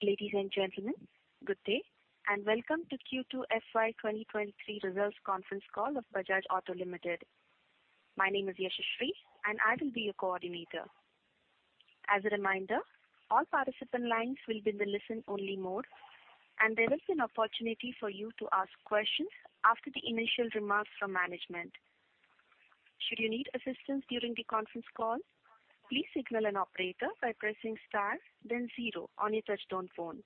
Ladies and gentlemen, good day, and welcome to Q2 FY 2023 results conference call of Bajaj Auto Limited. My name is Yashaswi, and I will be your coordinator. As a reminder, all participant lines will be in the listen-only mode, and there is an opportunity for you to ask questions after the initial remarks from management. Should you need assistance during the conference call, please signal an operator by pressing star then zero on your touchtone phone.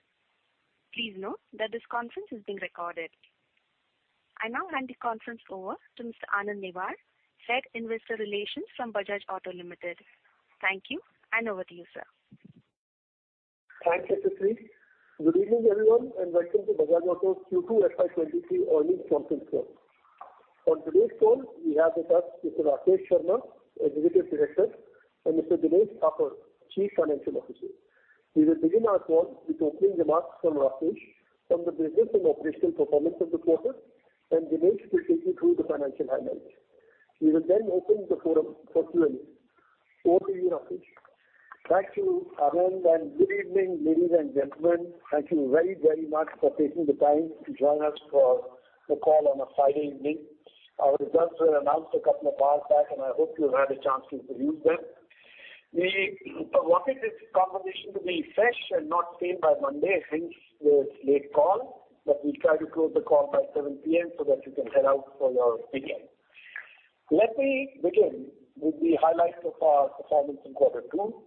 Please note that this conference is being recorded. I now hand the conference over to Mr. Anand Newar, Head Investor Relations from Bajaj Auto Limited. Thank you, and over to you, sir. Thanks, Yashaswi. Good evening, everyone, and welcome to Bajaj Auto Q2 FY2023 earnings conference call. On today's call we have with us Mr. Rakesh Sharma, Executive Director, and Mr. Dinesh Thapar, Chief Financial Officer. We will begin our call with opening remarks from Rakesh on the business and operational performance of the quarter, and Dinesh will take you through the financial highlights. We will then open the floor up for Q&A. Over to you, Rakesh. Thank you, Anand, and good evening, ladies and gentlemen. Thank you very, very much for taking the time to join us for the call on a Friday evening. Our results were announced a couple of hours back, and I hope you have had a chance to review them. We wanted this conversation to be fresh and not stale by Monday, hence this late call, but we try to close the call by 7 P.M. so that you can head out for your weekend. Let me begin with the highlights of our performance in quarter two.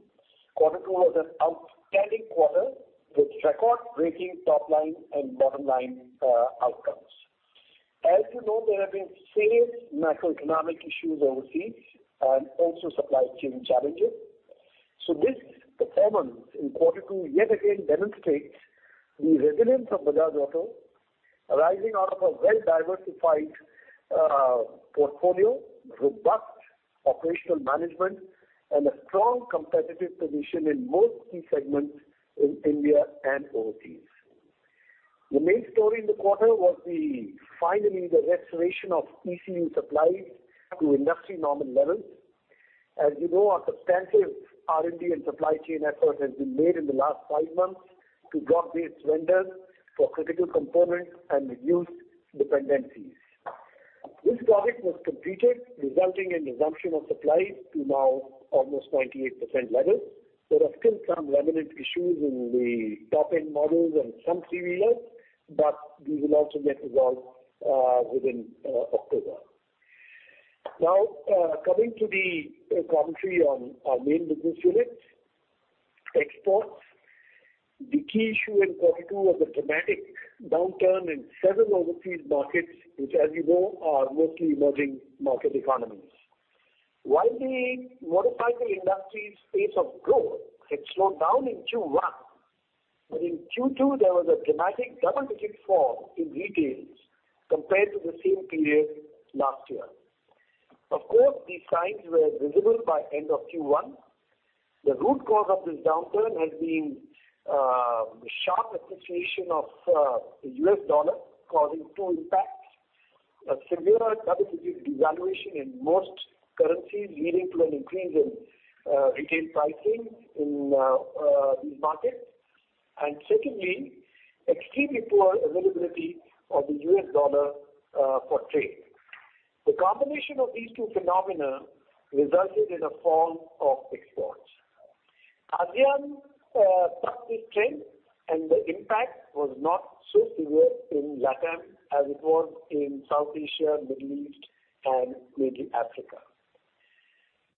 Quarter two was an outstanding quarter with record-breaking top-line and bottom-line outcomes. As you know, there have been serious macroeconomic issues overseas, and also supply chain challenges. This performance in quarter two yet again demonstrates the resilience of Bajaj Auto, arising out of a well-diversified portfolio, robust operational management and a strong competitive position in most key segments in India and overseas. The main story in the quarter was finally the restoration of ECU supplies to industry normal levels. As you know, a substantive R&D and supply chain effort has been made in the last five months to localize vendors for critical components and reduce dependencies. This project was completed, resulting in resumption of supplies to now almost 98% levels. There are still some remnant issues in the top-end models and some three-wheelers, but these will also get resolved within October. Now, coming to the commentary on our main business units. Exports. The key issue in quarter two was a dramatic downturn in several overseas markets, which, as you know, are mostly emerging market economies. While the motorcycle industry's pace of growth had slowed down in Q1, in Q2, there was a dramatic double-digit fall in retails compared to the same period last year. Of course, these signs were visible by end of Q1. The root cause of this downturn has been the sharp appreciation of the U.S. dollar, causing two impacts. A severe double-digit devaluation in most currencies, leading to an increase in retail pricing in these markets. Secondly, extremely poor availability of the U.S. dollar for trade. The combination of these two phenomena resulted in a fall of exports. ASEAN bucked this trend, and the impact was not so severe in LATAM as it was in South Asia, Middle East and maybe Africa.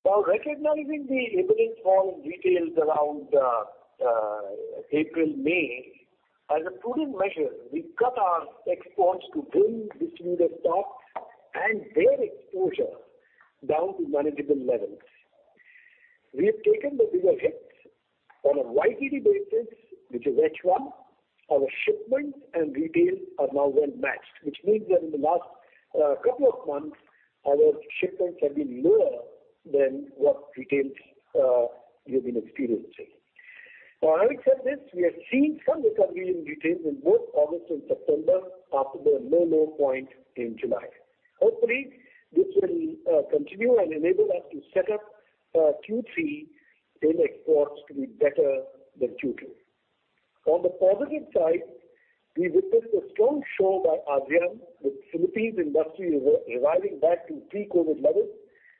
While recognizing the evident fall in retails around April, May, as a prudent measure, we cut our exports to bring this risk of stock and their exposure down to manageable levels. We have taken the bigger hits on a YTD basis, which is H1. Our shipments and retails are now well matched, which means that in the last couple of months our shipments have been lower than what retails we've been experiencing. While having said this, we have seen some recovery in retails in both August and September after the low point in July. Hopefully, this will continue and enable us to set up Q3 in exports to be better than Q2. On the positive side, we witnessed a strong show by ASEAN, with Philippine industry reviving back to pre-COVID levels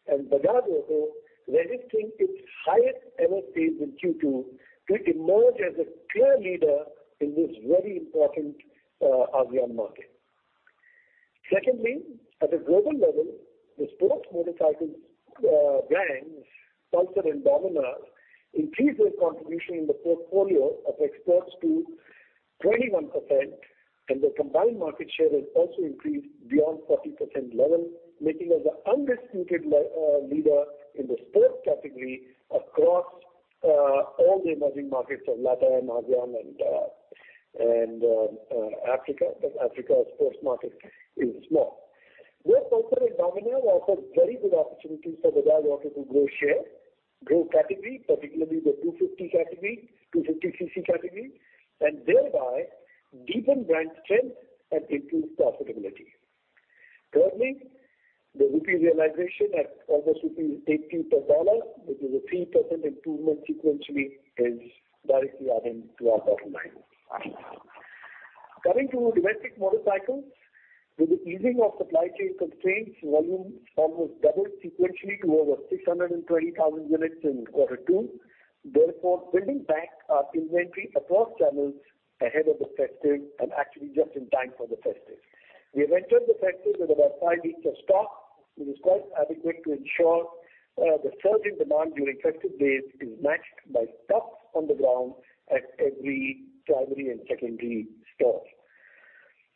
and Bajaj Auto registering its highest ever sales in Q2 to emerge as a clear leader in this very important ASEAN market. Secondly, at a global level, the sports motorcycling brands, Pulsar and Dominar, increased their contribution in the portfolio of exports to 21%, and their combined market share has also increased beyond 40% level, making us the undisputed leader in the sports category across all the emerging markets of LATAM, ASEAN and Africa, but Africa's sports market is small. Both Pulsar and Dominar offer very good opportunities for Bajaj Auto to grow share, grow category, particularly the 250 category, 250 cc category, and thereby deepen brand strength and improve profitability. Thirdly, the rupee realization at almost rupees 18 per U.S. dollar, which is a 3% improvement sequentially, is directly adding to our bottom line. Coming to domestic motorcycles. With the easing of supply chain constraints, volumes almost doubled sequentially to over 620,000 units in quarter two, therefore building back our inventory across channels ahead of the festive and actually just in time for the festive. We have entered the festive with about 5 weeks of stock. It is quite adequate to ensure the surge in demand during festive days is matched by stocks on the ground at every primary and secondary store.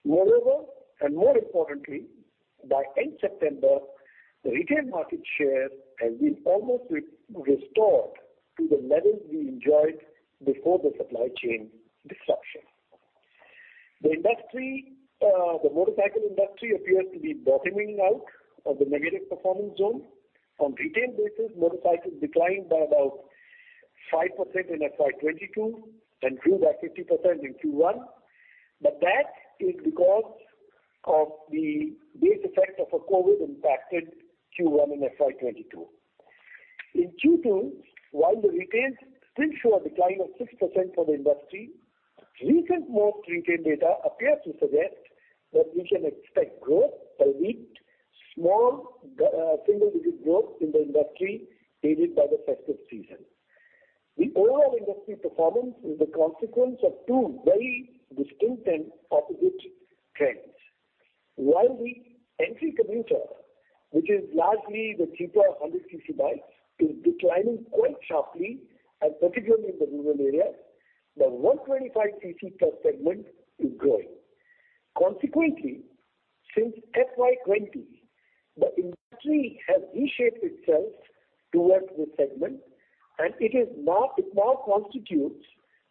Moreover, and more importantly, by end-September, the retail market share has been almost restored to the levels we enjoyed before the supply chain disruption. The industry, the motorcycle industry appears to be bottoming out of the negative performance zone. On retail basis, motorcycles declined by about 5% in FY 2022 and grew by 50% in Q1, but that is because of the base effect of a COVID impacted Q1 in FY 2022. In Q2, while retail still shows a decline of 6% for the industry, most recent retail data appears to suggest that we can expect growth per week, small, single-digit growth in the industry aided by the festive season. The overall industry performance is a consequence of two very distinct and opposite trends. While the entry commuter, which is largely the cheaper 100 cc bikes, is declining quite sharply and particularly in the rural areas, the 125 cc+ segment is growing. Consequently, since FY 2020, the industry has reshaped itself towards this segment, and it now constitutes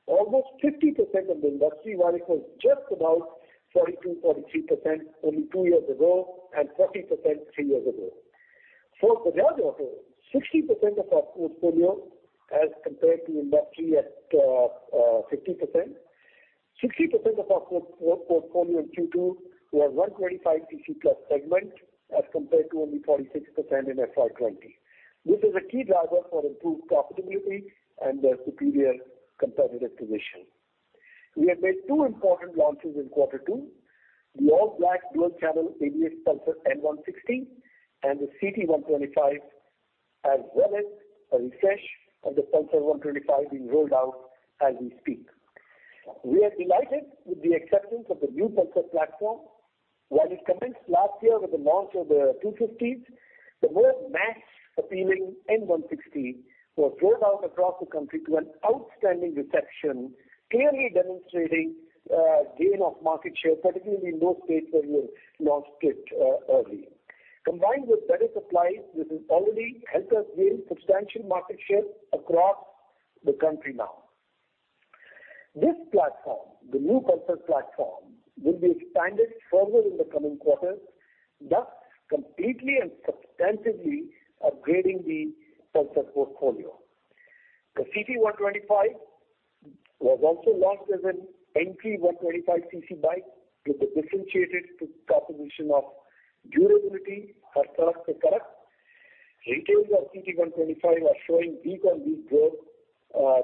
almost 50% of the industry, while it was just about 42%, 43% only two years ago and 40% three years ago. For Bajaj Auto, 60% of our portfolio as compared to industry at 50%. 60% of our portfolio in Q2 were 125 cc+ segment, as compared to only 46% in FY 2020. This is a key driver for improved profitability and a superior competitive position. We have made 2 important launches in quarter two. The all-black dual-channel ABS Pulsar N160 and the CT 125, as well as a refresh of the Pulsar 125 being rolled out as we speak. We are delighted with the acceptance of the new Pulsar platform. While it commenced last year with the launch of the 250s, the more mass-appealing N160 was rolled out across the country to an outstanding reception, clearly demonstrating gain of market share, particularly in those states where we have launched it early. Combined with better supplies, this has already helped us gain substantial market share across the country now. This platform, the new Pulsar platform, will be expanded further in the coming quarters, thus completely and substantively upgrading the Pulsar portfolio. The CT 125 was also launched as an entry 125 cc bike with a differentiated proposition of durability and style. Retail of CT 125 are showing week-on-week growth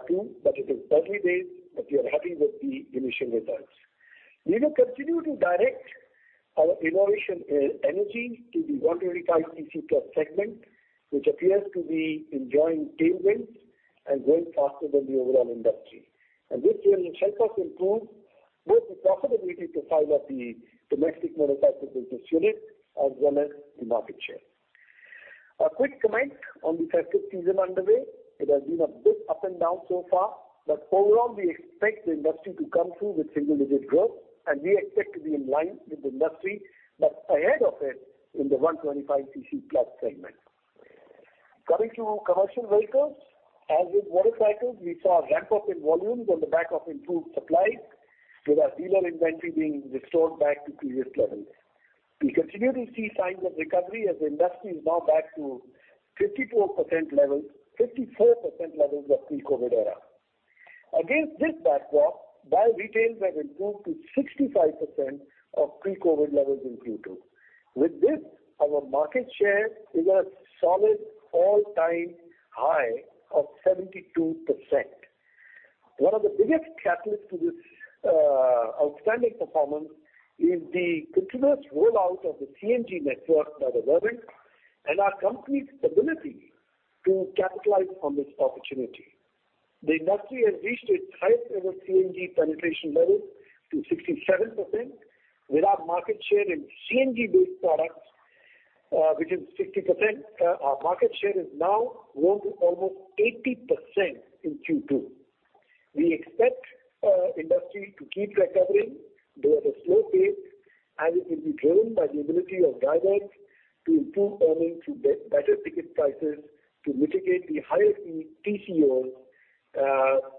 too, but it is early days, but we are happy with the initial results. We will continue to direct our innovation R&D energy to the 125 cc+ segment, which appears to be enjoying tailwinds and growing faster than the overall industry. This will help us improve both the profitability profile of the domestic motorcycle business unit as well as the market share. A quick comment on the festive season underway. It has been a bit up and down so far, but overall, we expect the industry to come through with single-digit growth, and we expect to be in line with the industry, but ahead of it in the 125 cc+ segment. Coming to commercial vehicles. As with motorcycles, we saw a ramp up in volumes on the back of improved supplies, with our dealer inventory being restored back to previous levels. We continue to see signs of recovery as the industry is now back to 54% levels of pre-COVID era. Against this backdrop, while retails have improved to 65% of pre-COVID levels in Q2. With this, our market share is a solid all-time high of 72%. One of the biggest catalyst to this outstanding performance is the continuous rollout of the CNG network by the government and our company's ability to capitalize on this opportunity. The industry has reached its highest ever CNG penetration levels to 67%. With our market share in CNG-based products, which is 60%, our market share has now grown to almost 80% in Q2. We expect industry to keep recovering, though at a slow pace, and it will be driven by the ability of drivers to improve earnings through better ticket prices to mitigate the higher fleet TCOs,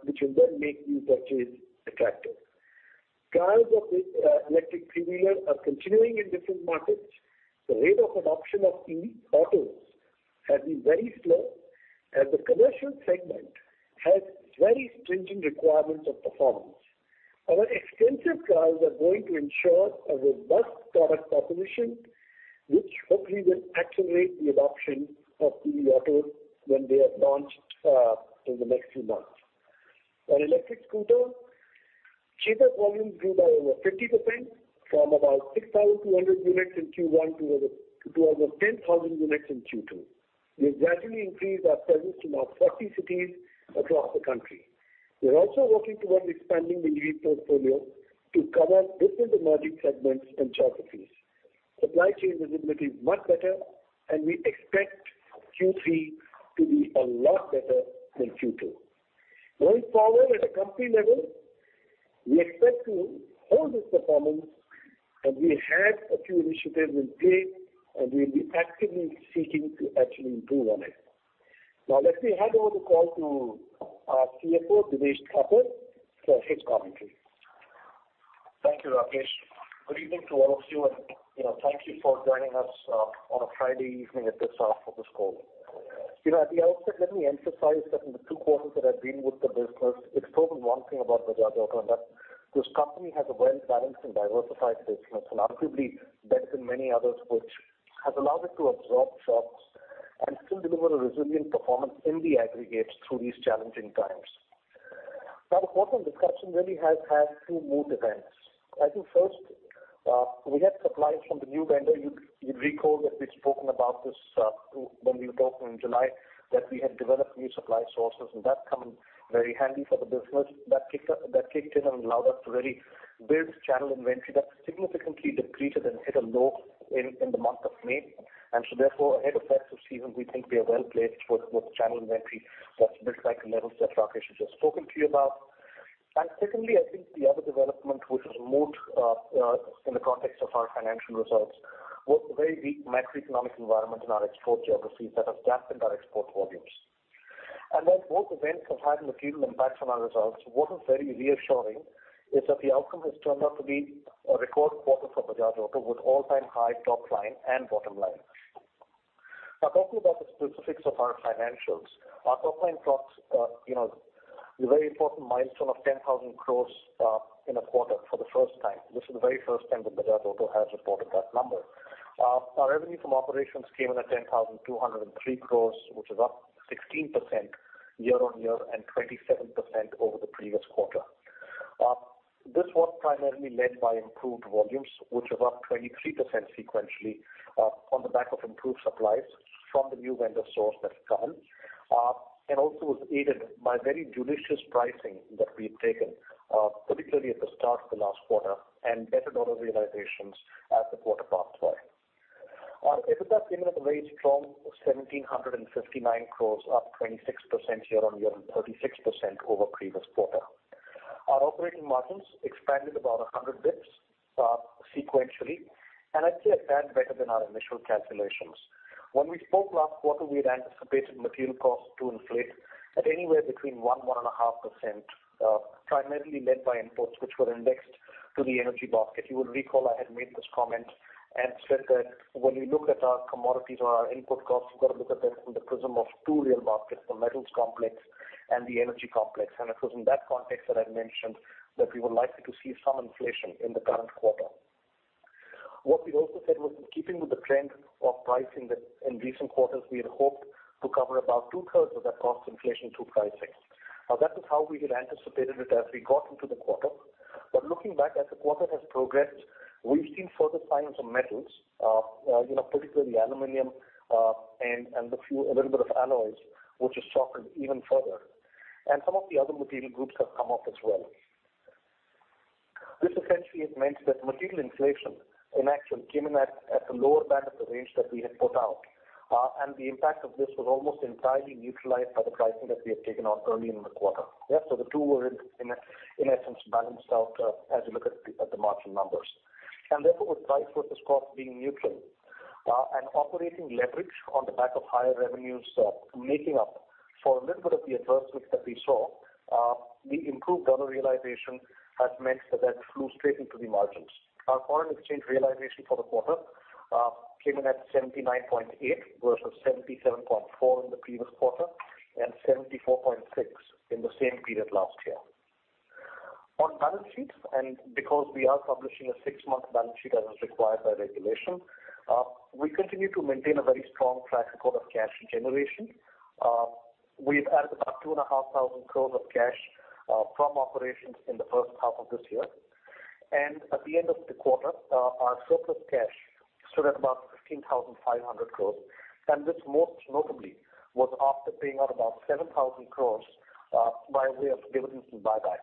which will then make new purchases attractive. Trials of electric three-wheelers are continuing in different markets. The rate of adoption of e-autos has been very slow as the commercial segment has very stringent requirements of performance. Our extensive R&D is going to ensure a robust product proposition, which hopefully will accelerate the adoption of EV autos when they are launched in the next few months. On electric scooter, Chetak volumes grew by over 50% from about 6,200 units in Q1 to over 10,000 units in Q2. We gradually increased our presence to now 40 cities across the country. We're also working towards expanding the EV portfolio to cover different emerging segments and geographies. Supply chain visibility is much better and we expect Q3 to be a lot better than Q2. Going forward at a company level, we expect to hold this performance, and we have a few initiatives in play, and we'll be actively seeking to actually improve on it. Now, let me hand over the call to our CFO, Dinesh Thapar, for his commentary. Thank you, Rakesh. Good evening to all of you, and, you know, thank you for joining us, on a Friday evening at this hour for this call. You know, at the outset, let me emphasize that in the two quarters that I've been with the business, it's proven one thing about Bajaj Auto, and that this company has a well-balanced and diversified business, and arguably better than many others, which has allowed it to absorb shocks and still deliver a resilient performance in the aggregates through these challenging times. Now, the quarter on discussion really has had two major events. I think first, we had supplies from the new vendor. You'd recall that we'd spoken about this, when we were talking in July, that we had developed new supply sources, and that's come in very handy for the business. That kicked in and allowed us to really build channel inventory that significantly decreased and hit a low in the month of May. Therefore, ahead of festive season, we think we are well-placed with channel inventory that's built back the levels that Rakesh has just spoken to you about. Secondly, I think the other development which is most in the context of our financial results was the very weak macroeconomic environment in our export geographies that have dampened our export volumes. While both events have had material impacts on our results, what is very reassuring is that the outcome has turned out to be a record quarter for Bajaj Auto with all-time high top line and bottom line. Now, talking about the specifics of our financials, our top line clocks you know the very important milestone of 10,000 crore in a quarter for the first time. This is the very first time that Bajaj Auto has reported that number. Our revenue from operations came in at 10,203 crore, which is up 16% year-on-year and 27% over the previous quarter. This was primarily led by improved volumes, which were up 23% sequentially, on the back of improved supplies from the new vendor source that's come. And also was aided by very judicious pricing that we've taken, particularly at the start of the last quarter and better dollar realizations as the quarter passed by. Our EBITDA came in at a very strong 1,759 crore, up 26% year-on-year and 36% over previous quarter. Our operating margins expanded about 100 basis points, sequentially. I'd say a tad better than our initial calculations. When we spoke last quarter, we had anticipated material costs to inflate at anywhere between 1%-1.5%, primarily led by imports which were indexed to the energy basket. You will recall I had made this comment and said that when you look at our commodities or our input costs, you've got to look at them from the prism of two real baskets, the metals complex and the energy complex. It was in that context that I'd mentioned that we were likely to see some inflation in the current quarter. What we'd also said was in keeping with the trend of pricing that in recent quarters, we had hoped to cover about 2/3 of that cost inflation through pricing. Now, that is how we had anticipated it as we got into the quarter. Looking back, as the quarter has progressed, we've seen further signs of metals, you know, particularly aluminum, and a few a little bit of alloys, which has softened even further. Some of the other material groups have come off as well. This essentially has meant that material inflation in action came in at the lower band of the range that we had put out. The impact of this was almost entirely neutralized by the pricing that we had taken out early in the quarter. The two were in essence balanced out, as you look at the margin numbers. Therefore, with price versus cost being neutral, and operating leverage on the back of higher revenues, making up for a little bit of the adversity that we saw, the improved dollar realization has meant that that flew straight into the margins. Our foreign exchange realization for the quarter came in at 79.8 versus 77.4 in the previous quarter and 74.6 in the same period last year. On balance sheets, and because we are publishing a six-month balance sheet as is required by regulation, we continue to maintain a very strong track record of cash generation. We've added about 2,500 crores of cash from operations in the first half of this year. At the end of the quarter, our surplus cash stood at about 15,500 crore, and this most notably was after paying out about 7,000 crore by way of dividends and buyback.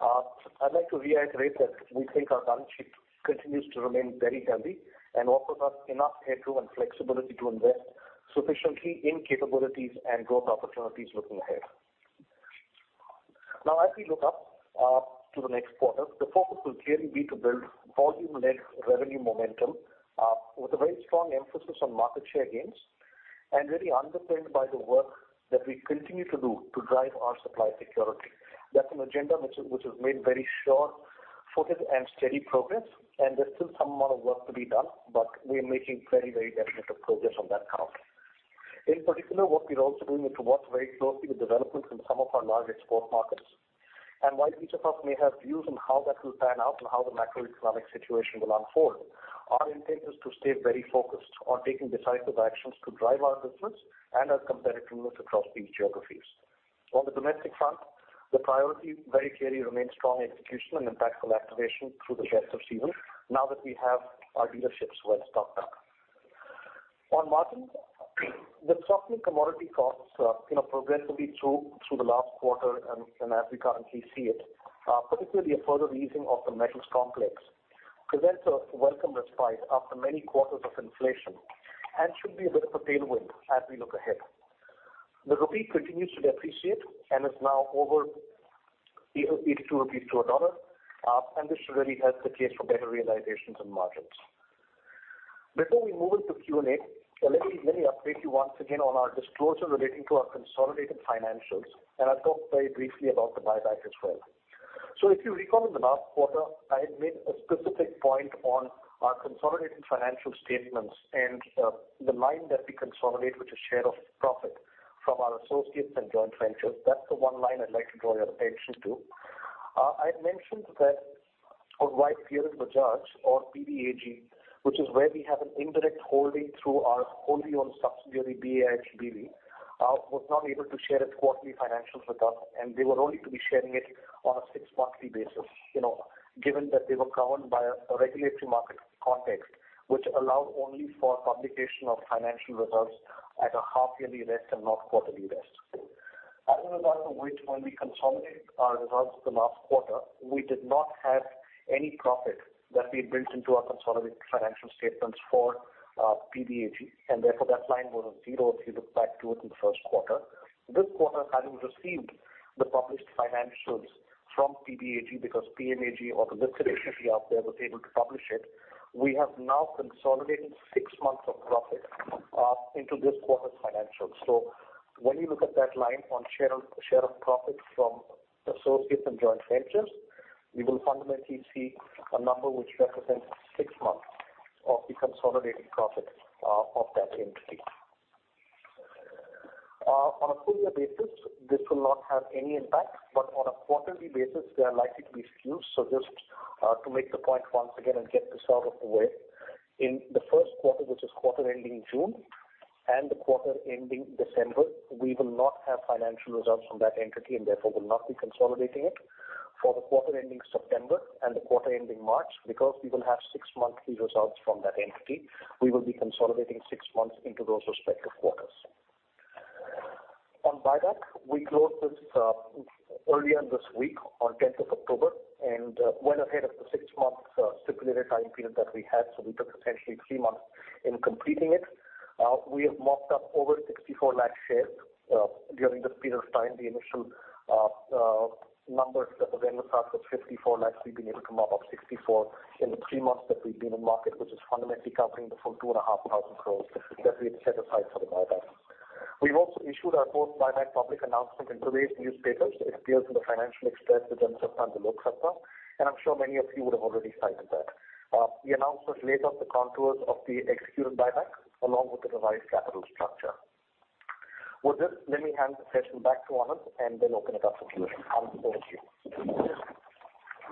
I'd like to reiterate that we think our balance sheet continues to remain very healthy and offers us enough headroom and flexibility to invest sufficiently in capabilities and growth opportunities looking ahead. Now, as we look ahead to the next quarter, the focus will clearly be to build volume-led revenue momentum with a very strong emphasis on market share gains and really underpinned by the work that we continue to do to drive our supply security. That's an agenda which is making very sharp-footed and steady progress, and there's still some amount of work to be done, but we're making very, very definitive progress on that count. In particular, what we're also doing is to work very closely with developers in some of our large export markets. While each of us may have views on how that will pan out and how the macroeconomic situation will unfold, our intent is to stay very focused on taking decisive actions to drive our business and our competitiveness across these geographies. On the domestic front, the priority very clearly remains strong execution and impactful activation through the rest of season, now that we have our dealerships well stocked up. On margins, the softening commodity costs, you know, progressively through the last quarter and as we currently see it, particularly a further easing of the metals complex, presents a welcome respite after many quarters of inflation and should be a bit of a tailwind as we look ahead. The rupee continues to depreciate and is now over 82 rupees to a dollar, and this should really help the case for better realizations and margins. Before we move into Q&A, let me update you once again on our disclosure relating to our consolidated financials, and I'll talk very briefly about the buyback as well. If you recall, in the last quarter, I had made a specific point on our consolidated financial statements and the line that we consolidate, which is share of profit from our associates and joint ventures. That's the one line I'd like to draw your attention to. I had mentioned that on Pierer Bajaj AG or PBAG, which is where we have an indirect holding through our wholly owned subsidiary, BIHBV, was not able to share its quarterly financials with us, and they were only to be sharing it on a six monthly basis. You know, given that they were governed by a regulatory market context which allowed only for publication of financial results at a half yearly rate and not quarterly rates. As a result of which, when we consolidate our results for the last quarter, we did not have any profit that we had built into our consolidated financial statements for PBAG, and therefore that line was zero, if you look back to it in the first quarter. This quarter, having received the published financials from PBAG, because PBAG or the listed entity out there was able to publish it, we have now consolidated six months of profit into this quarter's financials. When you look at that line on share of profit from associates and joint ventures, you will fundamentally see a number which represents six months of the consolidated profit of that entity. On a full year basis, this will not have any impact, but on a quarterly basis they are likely to be skewed. Just to make the point once again and get this out of the way, in the first quarter, which is quarter ending June and the quarter ending December, we will not have financial results from that entity and therefore will not be consolidating it. For the quarter ending September and the quarter ending March, because we will have six monthly results from that entity, we will be consolidating six months into those respective quarters. On buyback, we closed this earlier this week on 10th of October and well ahead of the six-month stipulated time period that we had. We took essentially three months in completing it. We have mopped up over 64 lakh shares during this period of time. The initial numbers that was in the plan was 54 lakhs. We've been able to mop up 64 in the three months that we've been in market, which is fundamentally covering the full 2,500 crores that we had set aside for the buyback. We've also issued our post buyback public announcement in today's newspapers. It appears in the Financial Express, the Times of India, and the Lokmat, and I'm sure many of you would have already sighted that. The announcement laid out the contours of the executed buyback along with the revised capital structure. With this, let me hand the session back to Anand and then open it up for Q&A. Over to you.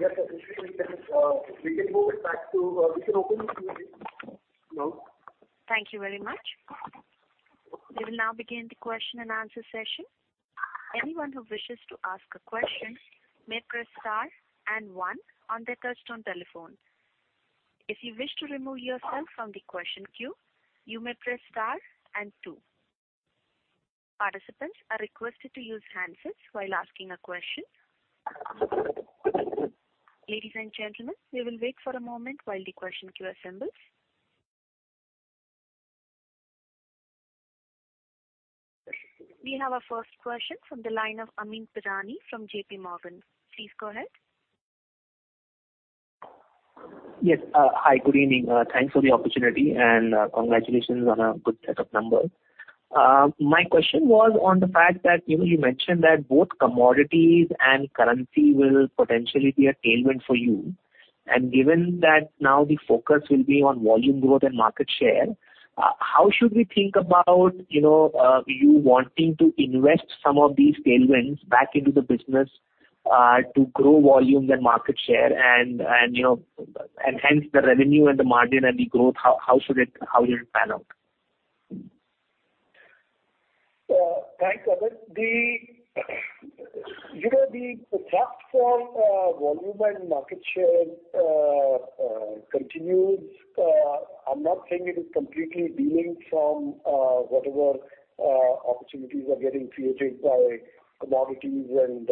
Yes, we can open the Q&A now. Thank you very much. We will now begin the question-and-answer session. Anyone who wishes to ask a question may press star and one on their touchtone telephone. If you wish to remove yourself from the question queue, you may press star and two. Participants are requested to use handsets while asking a question. Ladies and gentlemen, we will wait for a moment while the question queue assembles. We have our first question from the line of Amyn Pirani from JPMorgan. Please go ahead. Yes. Hi. Good evening. Thanks for the opportunity and congratulations on a good set of numbers. My question was on the fact that, you know, you mentioned that both commodities and currency will potentially be a tailwind for you. Given that now the focus will be on volume growth and market share, how should we think about, you know, you wanting to invest some of these tailwinds back into the business to grow volume and market share and, you know, and hence the revenue and the margin and the growth? How will it pan out. Thanks, Amit. You know, the platform volume and market share continues. I'm not saying it is completely de-linked from whatever opportunities are getting created by commodities and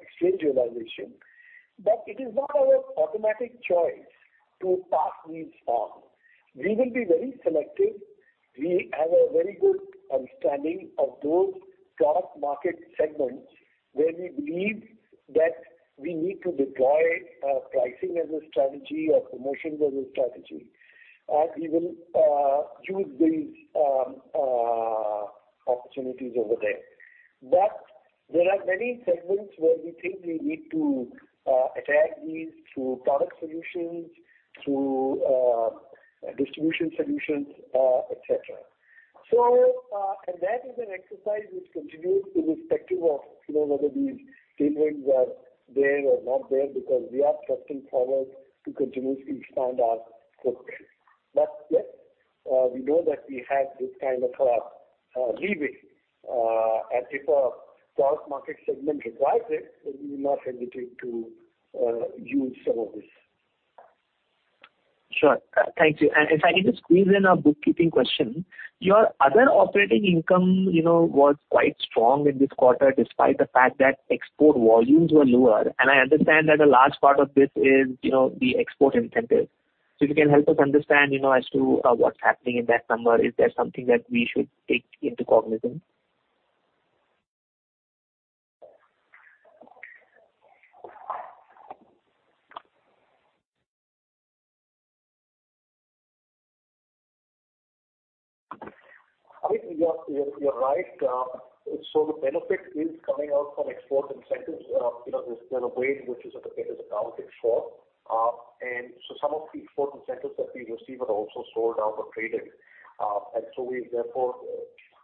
exchange realization, but it is not our automatic choice to pass these on. We will be very selective. We have a very good understanding of those product market segments where we believe that we need to deploy pricing as a strategy or promotions as a strategy, or even use these opportunities over there. There are many segments where we think we need to attack these through product solutions, through distribution solutions, et cetera. That is an exercise which continues irrespective of, you know, whether these tailwinds are there or not there, because we are pressing forward to continuously expand our footprint. Yes, we know that we have this kind of leeway, and if a large market segment requires it, then we will not hesitate to use some of this. Sure. Thank you. If I can just squeeze in a bookkeeping question. Your other operating income, you know, was quite strong in this quarter, despite the fact that export volumes were lower. I understand that a large part of this is, you know, the export incentive. If you can help us understand, you know, as to what's happening in that number, is there something that we should take into cognizance? Amyn, you're right. The benefit is coming out from export incentives. You know, there's been a waiver that is accounted for. Some of the export incentives that we receive are also sold out or traded. We therefore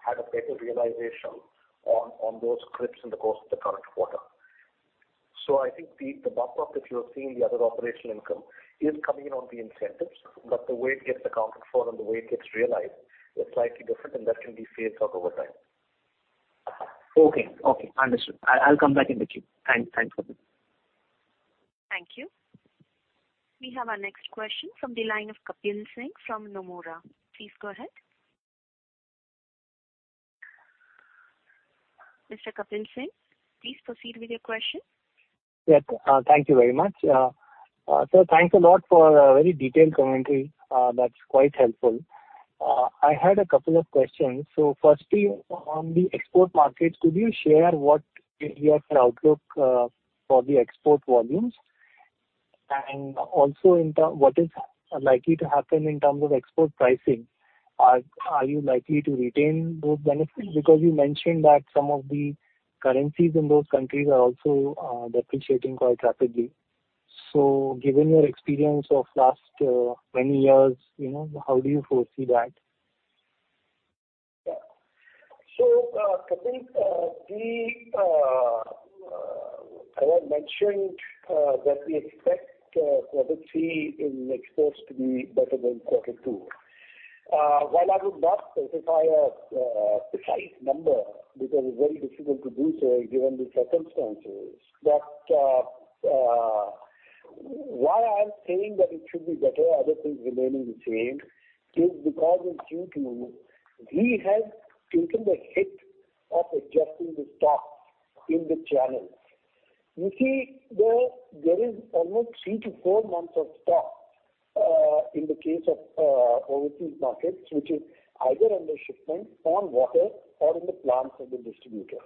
had a better realization on those claims in the course of the current quarter. I think the bump up that you're seeing, the other operational income is coming in on the incentives, but the way it gets accounted for and the way it gets realized is slightly different, and that can be phased out over time. Okay. Understood. I'll come back in the queue. Thanks for this. Thank you. We have our next question from the line of Kapil Singh from Nomura. Please go ahead. Mr. Kapil Singh, please proceed with your question. Yes. Thank you very much. Thanks a lot for a very detailed commentary. That's quite helpful. I had a couple of questions. Firstly, on the export markets, could you share what is your outlook for the export volumes? And also, what is likely to happen in terms of export pricing? Are you likely to retain those benefits? Because you mentioned that some of the currencies in those countries are also depreciating quite rapidly. Given your experience of last many years, you know, how do you foresee that? Kapil, I had mentioned that we expect quarter three in exports to be better than quarter two. While I would not specify a precise number because it's very difficult to do so given the circumstances. Why I'm saying that it should be better, other things remaining the same, is because in Q2 we had taken the hit of adjusting the stocks in the channels. You see, there is almost three to four months of stock in the case of overseas markets, which is either under shipment, on water or in the plants of the distributor.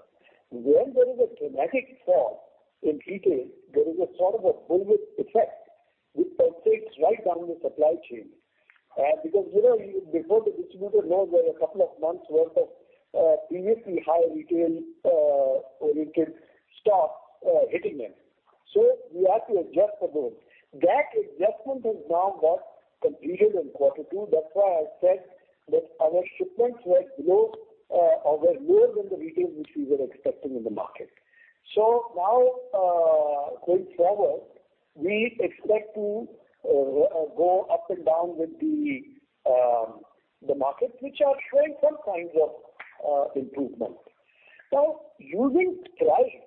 When there is a dramatic fall in retail, there is a sort of a pull effect which pervades right down the supply chain. Because, you know, before the distributor knows there are a couple of months worth of previously high retail oriented stock hitting them. We have to adjust for those. That adjustment has now got completed in quarter two. That's why I said that our shipments were below or were lower than the retail which we were expecting in the market. Now, going forward, we expect to go up and down with the markets which are showing some signs of improvement. Now, using price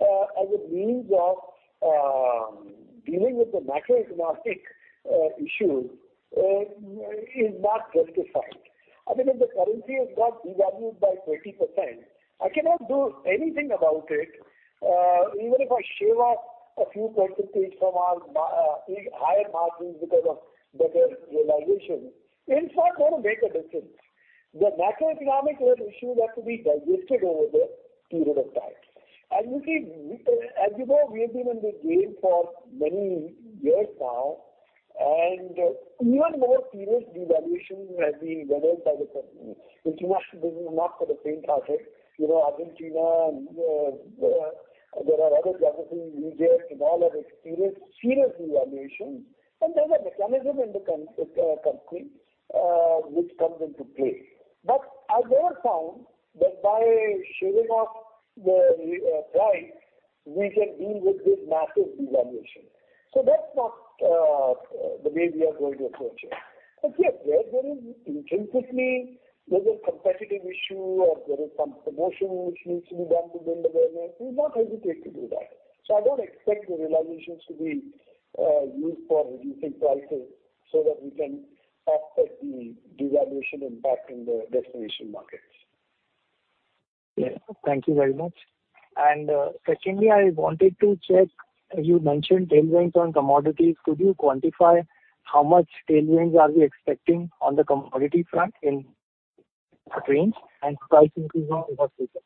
as a means of dealing with the macroeconomic issue is not justified. I mean, if the currency has got devalued by 20%, I cannot do anything about it. Even if I shave off a few percentages from our margins because of better realization, it's not gonna make a difference. The macroeconomic world issues have to be digested over the period of time. You see, as you know, we have been in the game for many years now, and even more serious devaluations have been weathered by the company. International businesses have the same target. You know, Argentina and there are other countries, Egypt and all, have experienced serious devaluations. There's a mechanism in the country which comes into play. I've never found that by shaving off the price, we can deal with this massive devaluation. That's not the way we are going to approach it. Yes, where there is intrinsically, there's a competitive issue or there is some promotion which needs to be done to build awareness, we will not hesitate to do that. I don't expect the realizations to be used for reducing prices so that we can offset the devaluation impact in the destination markets. Yeah. Thank you very much. Secondly, I wanted to check. You mentioned tailwinds on commodities. Could you quantify how much tailwinds we are expecting on the commodity front, in what range, and price increase on what basis?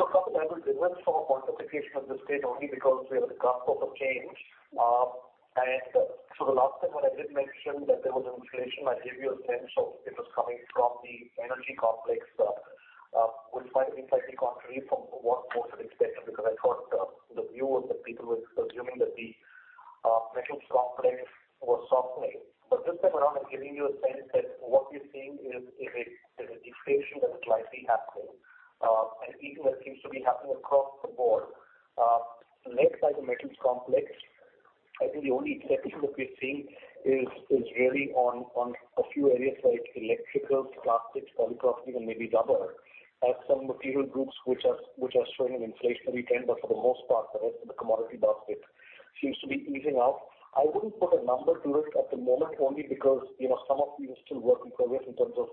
A couple of levels, we went for quantification of this trade only because we are at the cusp of a change. The last time when I did mention that there was an inflation, I gave you a sense of it was coming from the energy complex, which might be slightly contrary from what most had expected, because I thought the view was that people were assuming that the metals complex was softening. This time around, I'm giving you a sense that what we're seeing is a deflation that is likely happening, and equally it seems to be happening across the board. Next, like the metals complex, I think the only exception that we're seeing is really on a few areas like electricals, plastics, polypropylenes and maybe rubber have some material groups which are showing an inflationary trend. For the most part, the rest of the commodity basket seems to be easing out. I wouldn't put a number to it at the moment only because, you know, some of these are still work in progress in terms of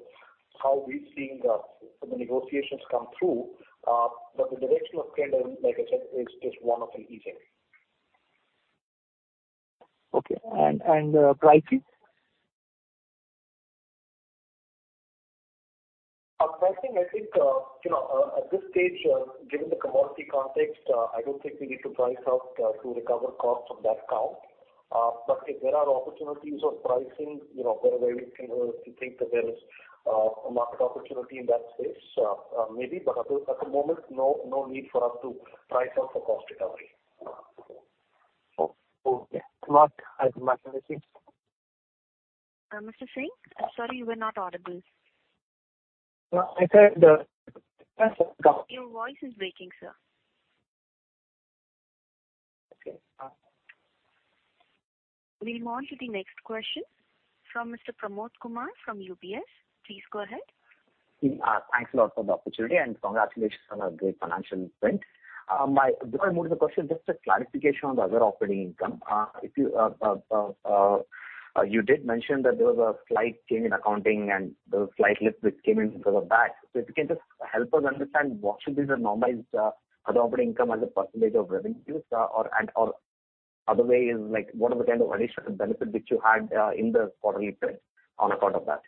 how we're seeing some of the negotiations come through. But the direction of trend, like I said, is one of an easing. Okay. Pricing? Pricing, I think, you know, at this stage, given the commodity context, I don't think we need to price out to recover costs on that account. If there are opportunities on pricing, you know, where we can think that there is a market opportunity in that space, maybe, but at the moment, no need for us to price out for cost recovery. Okay. Mark, anything? Mr. Singh, I'm sorry, you were not audible. No, I said, Your voice is breaking, sir. Okay. We'll move on to the next question from Mr. Pramod Kumar from UBS. Please go ahead. Thanks a lot for the opportunity and congratulations on a great financial trend. Before I move to the question, just a clarification on the other operating income. If you did mention that there was a slight change in accounting and there was slight lift which came in for the back. If you can just help us understand what should be the normalized other operating income as a percentage of revenues or and/or other way is like what are the kind of additional benefit which you had in the quarterly trend on account of that?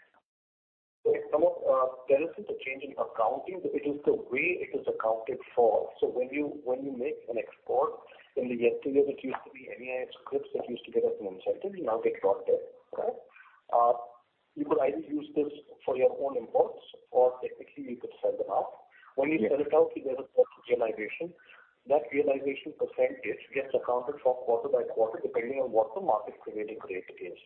Pramod, there isn't a change in accounting. It is the way it is accounted for. When you make an export, in the yesteryears it used to be MEIS scrips that used to give us an incentive. We now get RoDTEP, right? You could either use this for your own imports or technically you could sell them out. Yes. When you sell it out, there's a cost realization. That realization percentage gets accounted for quarter by quarter, depending on what the market's prevailing rate is,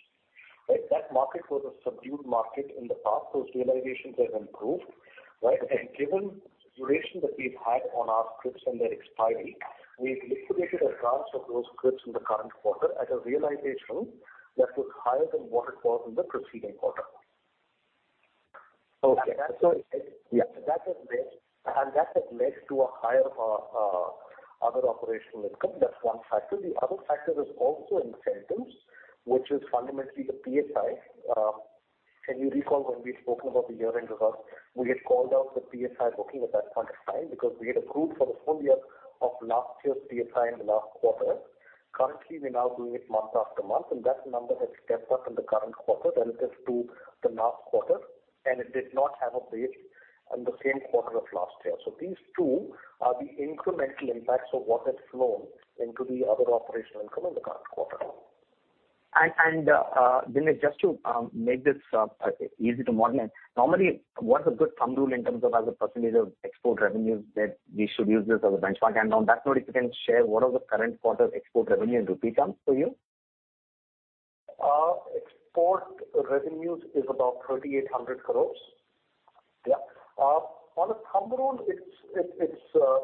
right? That market was a subdued market in the past. Those realizations have improved, right? Given the duration that we've had on our scrips and their expiry, we've liquidated in advance of those scrips in the current quarter at a realization that was higher than what it was in the preceding quarter. Okay. And so it- Yeah. That has led to a higher other operational income. That's one factor. The other factor is also incentives, which is fundamentally the PSI. Can you recall when we had spoken about the year-end results, we had called out the PSI working at that point of time because we had accrued for the full year of last year's PSI in the last quarter. Currently, we're now doing it month after month, and that number has stepped up in the current quarter relative to the last quarter, and it did not have a base in the same quarter of last year. These two are the incremental impacts of what has flown into the other operational income in the current quarter. Dinesh, just to make this easy to model, normally what is a good thumb rule in terms of as a percentage of export revenues that we should use this as a benchmark? On that note, if you can share what are the current quarter export revenue in rupee terms for you? Export revenues is about 3,800 crore. Yeah. On a rule of thumb,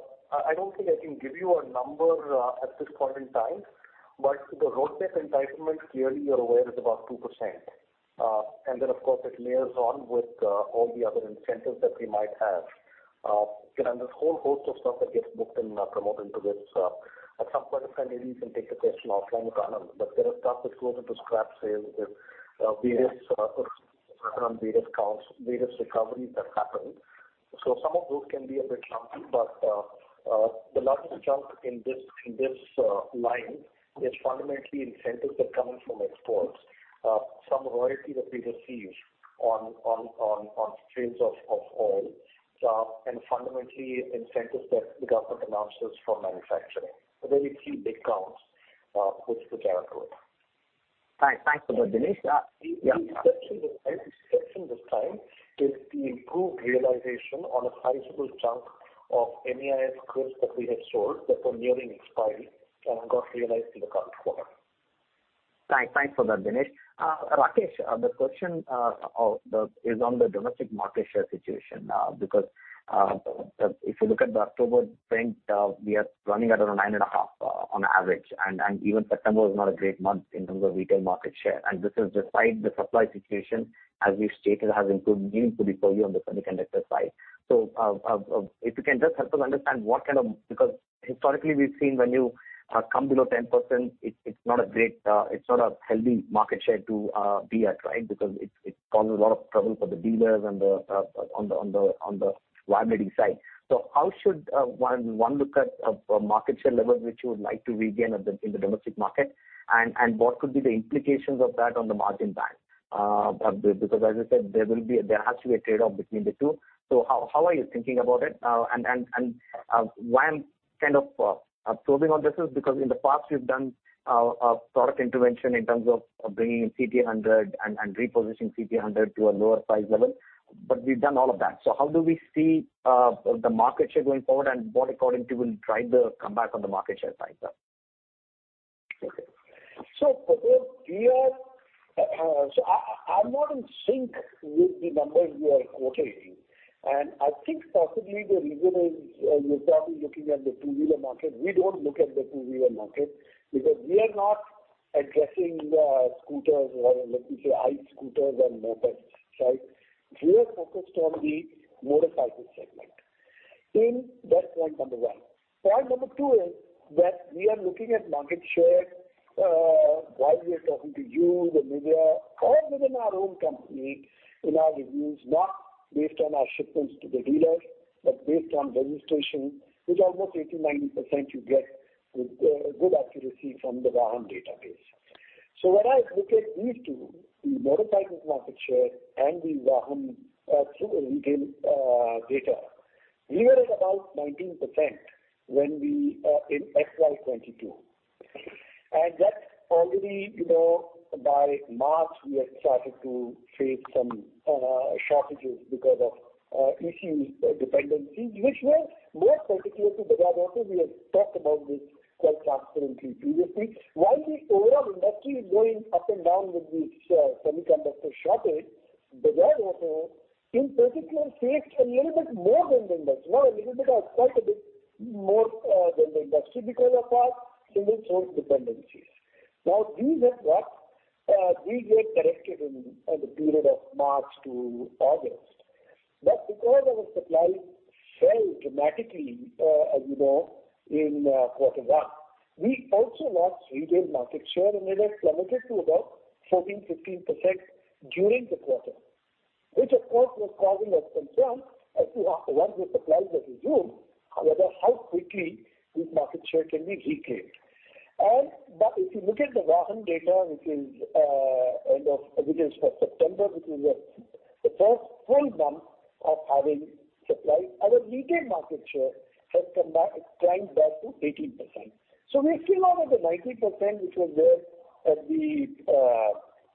I don't think I can give you a number at this point in time. The RoDTEP entitlement, clearly you're aware, is about 2%. Of course, it layers on with all the other incentives that we might have. You know, and there's a whole host of stuff that gets booked in, Pramod Kumar, into this. At some point in time, maybe you can take the question offline with Anand Newar, but there is stuff which goes into scrap sales with various around various counts, various recoveries that happen. Some of those can be a bit lumpy. The largest chunk in this line is fundamentally incentives that come in from exports, some royalty that we receive on sales of all, and fundamentally incentives that the government announces for manufacturing. There are a few big chunks, which put our cost. Thanks for that, Dinesh. Yeah. The exception this time is the improved realization on a sizable chunk of NEIS scripts that we have sold that were nearing expiry and got realized in the current quarter. Thanks. Thanks for that, Dinesh. Rakesh, the question is on the domestic market share situation, because if you look at the October trend, we are running at around 9.5 on average, and even September was not a great month in terms of retail market share. This is despite the supply situation, as we've stated, has improved meaningfully for you on the semiconductor side. If you can just help us understand because historically we've seen when you come below 10%, it's not a great, it's not a healthy market share to be at, right? Because it causes a lot of trouble for the dealers and on the viability side. How should one look at a market share level which you would like to regain in the domestic market? What could be the implications of that on the margin band? Because as you said, there has to be a trade-off between the two. How are you thinking about it? Why I'm kind of probing on this is because in the past you've done a product intervention in terms of bringing in CT 100 and repositioning CT 100 to a lower price level. We've done all of that. How do we see the market share going forward? What, according to you, will drive the comeback on the market share side now? I'm not in sync with the numbers you are quoting. I think possibly the reason is, you're probably looking at the two-wheeler market. We don't look at the two-wheeler market because we are not addressing the scooters or let me say, ICE scooters and mopeds side. We are focused on the motorcycle segment. In that point, number one. Point number two is that we are looking at market share while we are talking to you, the media or within our own company in our reviews, not based on our shipments to the dealers, but based on registration, which almost 80%-90% you get good accuracy from the Vahan database. When I look at these two, the motorcycle market share and the Vahan through the retail data, we were at about 19% in FY 2022. That already, you know, by March we had started to face some shortages because of its dependencies, which were more particular to Bajaj Auto. We have talked about this quite transparently previously. While the overall industry is going up and down with the semiconductor shortage, Bajaj Auto in particular faced a little bit more than the industry. Not a little bit but quite a bit more than the industry because of our single source dependencies. Now these are what we corrected in the period of March to August. Because our supply fell dramatically, you know, in quarter one, we also lost retail market share, and it had plummeted to about 14%-15% during the quarter, which of course was causing us concern as to once the supplies were resumed, how quickly this market share can be reclaimed. If you look at the Vahan data, which is for September, which is the first full month of having supply, our retail market share has come back. It climbed back to 18%. We're still not at the 19%, which was there at the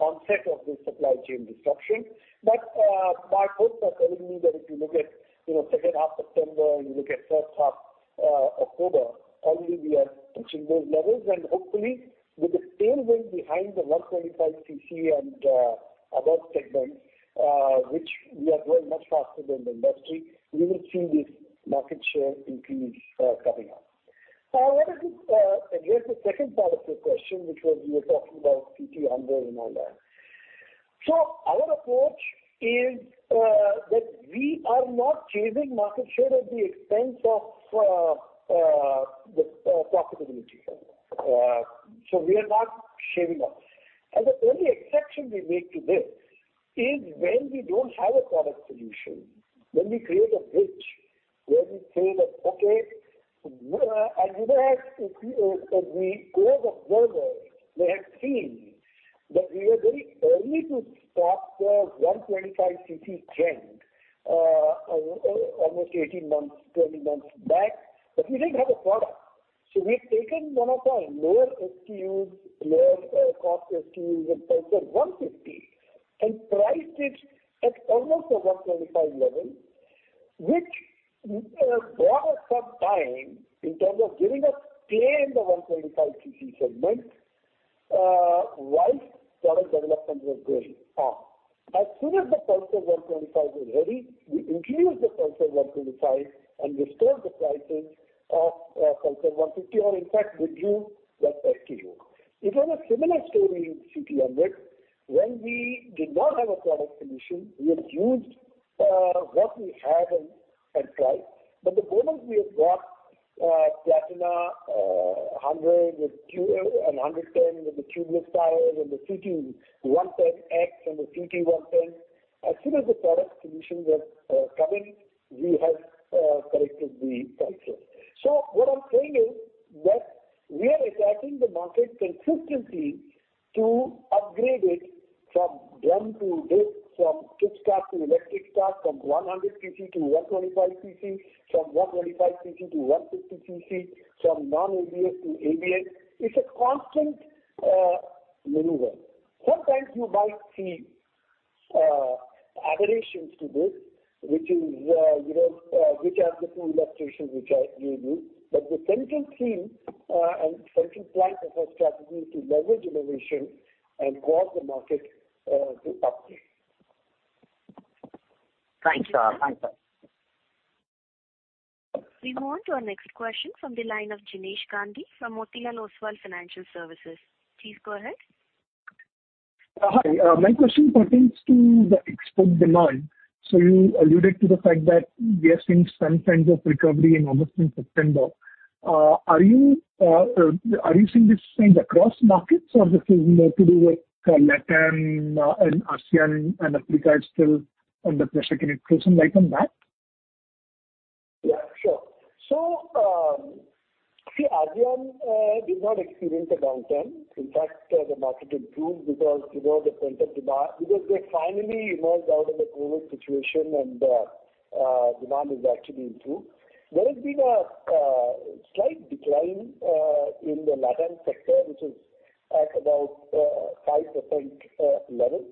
onset of this supply chain disruption. My hopes are telling me that if you look at, you know, second half September and you look at first half October, already we are touching those levels. Hopefully with the tailwind behind the 125 cc and above segments, which we are growing much faster than the industry, we will see this market share increase coming up. To address the second part of your question, which was you were talking about CT 100 and all that. Our approach is that we are not chasing market share at the expense of the profitability. We are not shaving off. The only exception we make to this is when we don't have a product solution, when we create a bridge where we say that, okay, you know, as observers may have seen that we were very early to spot the 125 cc trend, almost 18 months, 20 months back. But we didn't have a product. We've taken one of our lower cost SKUs and Pulsar 150 and priced it at almost a 125 level, which bought us some time in terms of giving us stay in the 125 cc segment while product developments were going on. As soon as the Pulsar 125 was ready, we introduced the Pulsar 125 and restored the prices of Pulsar 150 or in fact withdrew that SKU. It was a similar story with CT 100. When we did not have a product solution, we had used what we had and tried. The moment we have got Platina 100 with tube and 110 with the tubeless tires and the CT 110X and the CT 110. As soon as the product solutions were coming, we have corrected the price range. What I'm saying is that we are attacking the market consistently to upgrade it from drum to disc, from kickstart to electric start, from 100 cc to 125 cc, from 125 cc to 150 cc, from non-ABS to ABS. It's a constant maneuver. Sometimes you might see aberrations to this, you know, which are the two illustrations which I gave you. The central theme and central plank of our strategy is to leverage innovation and cause the market to upgrade. Thanks. Thanks. We move on to our next question from the line of Jinesh Gandhi from Motilal Oswal Financial Services. Please go ahead. Hi. My question pertains to the export demand. You alluded to the fact that we are seeing some signs of recovery almost in September. Are you seeing this trend across markets or this is more to do with LATAM and ASEAN and Africa is still under pressure? Can you please enlighten on that? See, ASEAN did not experience a downturn. In fact, the market improved because, you know, the pent-up demand because they finally emerged out of the COVID situation and demand has actually improved. There has been a slight decline in the LATAM sector, which is at about 5% level.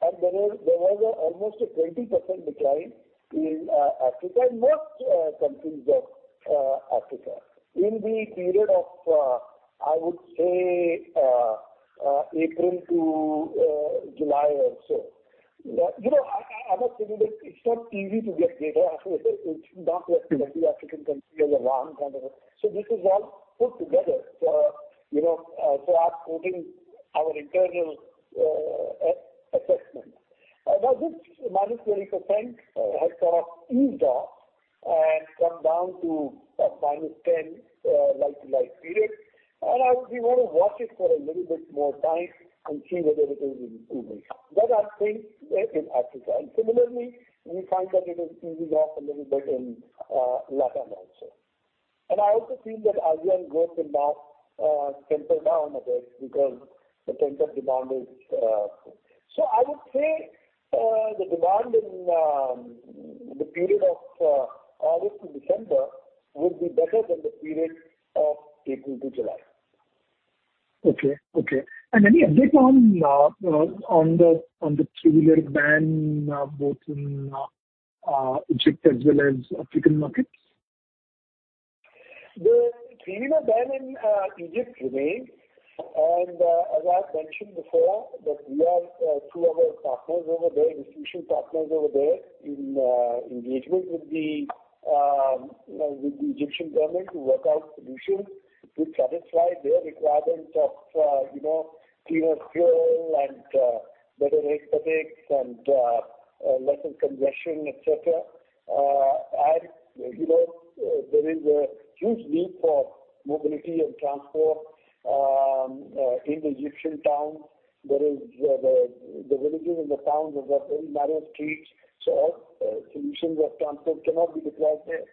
There was almost a 20% decline in Africa, in most countries of Africa in the period of, I would say, April to July or so. You know, I must say that it's not easy to get data from most of the African countries as one kind of a. This is all put together. You know, so I'm quoting our internal assessment. Now, this -20% has sort of eased off and come down to -10% like-to-like period. We wanna watch it for a little bit more time and see whether it is improving. That, I think, in Africa. Similarly, we find that it is easing off a little bit in LATAM also. I also feel that ASEAN growth will now temper down a bit because the pent-up demand is. I would say the demand in the period of August to December would be better than the period of April to July. Okay. Any update on, you know, on the three-wheeler ban, both in Egypt as well as African markets? The three-wheeler ban in Egypt remains. As I've mentioned before, that we are through our partners over there, institutional partners over there in engagement with the Egyptian government to work out solutions to satisfy their requirements of you know, cleaner fuel and better aesthetics and lessen congestion, et cetera. You know, there is a huge need for mobility and transport in the Egyptian towns. The villages and the towns have got very narrow streets, so solutions of transport cannot be deployed there.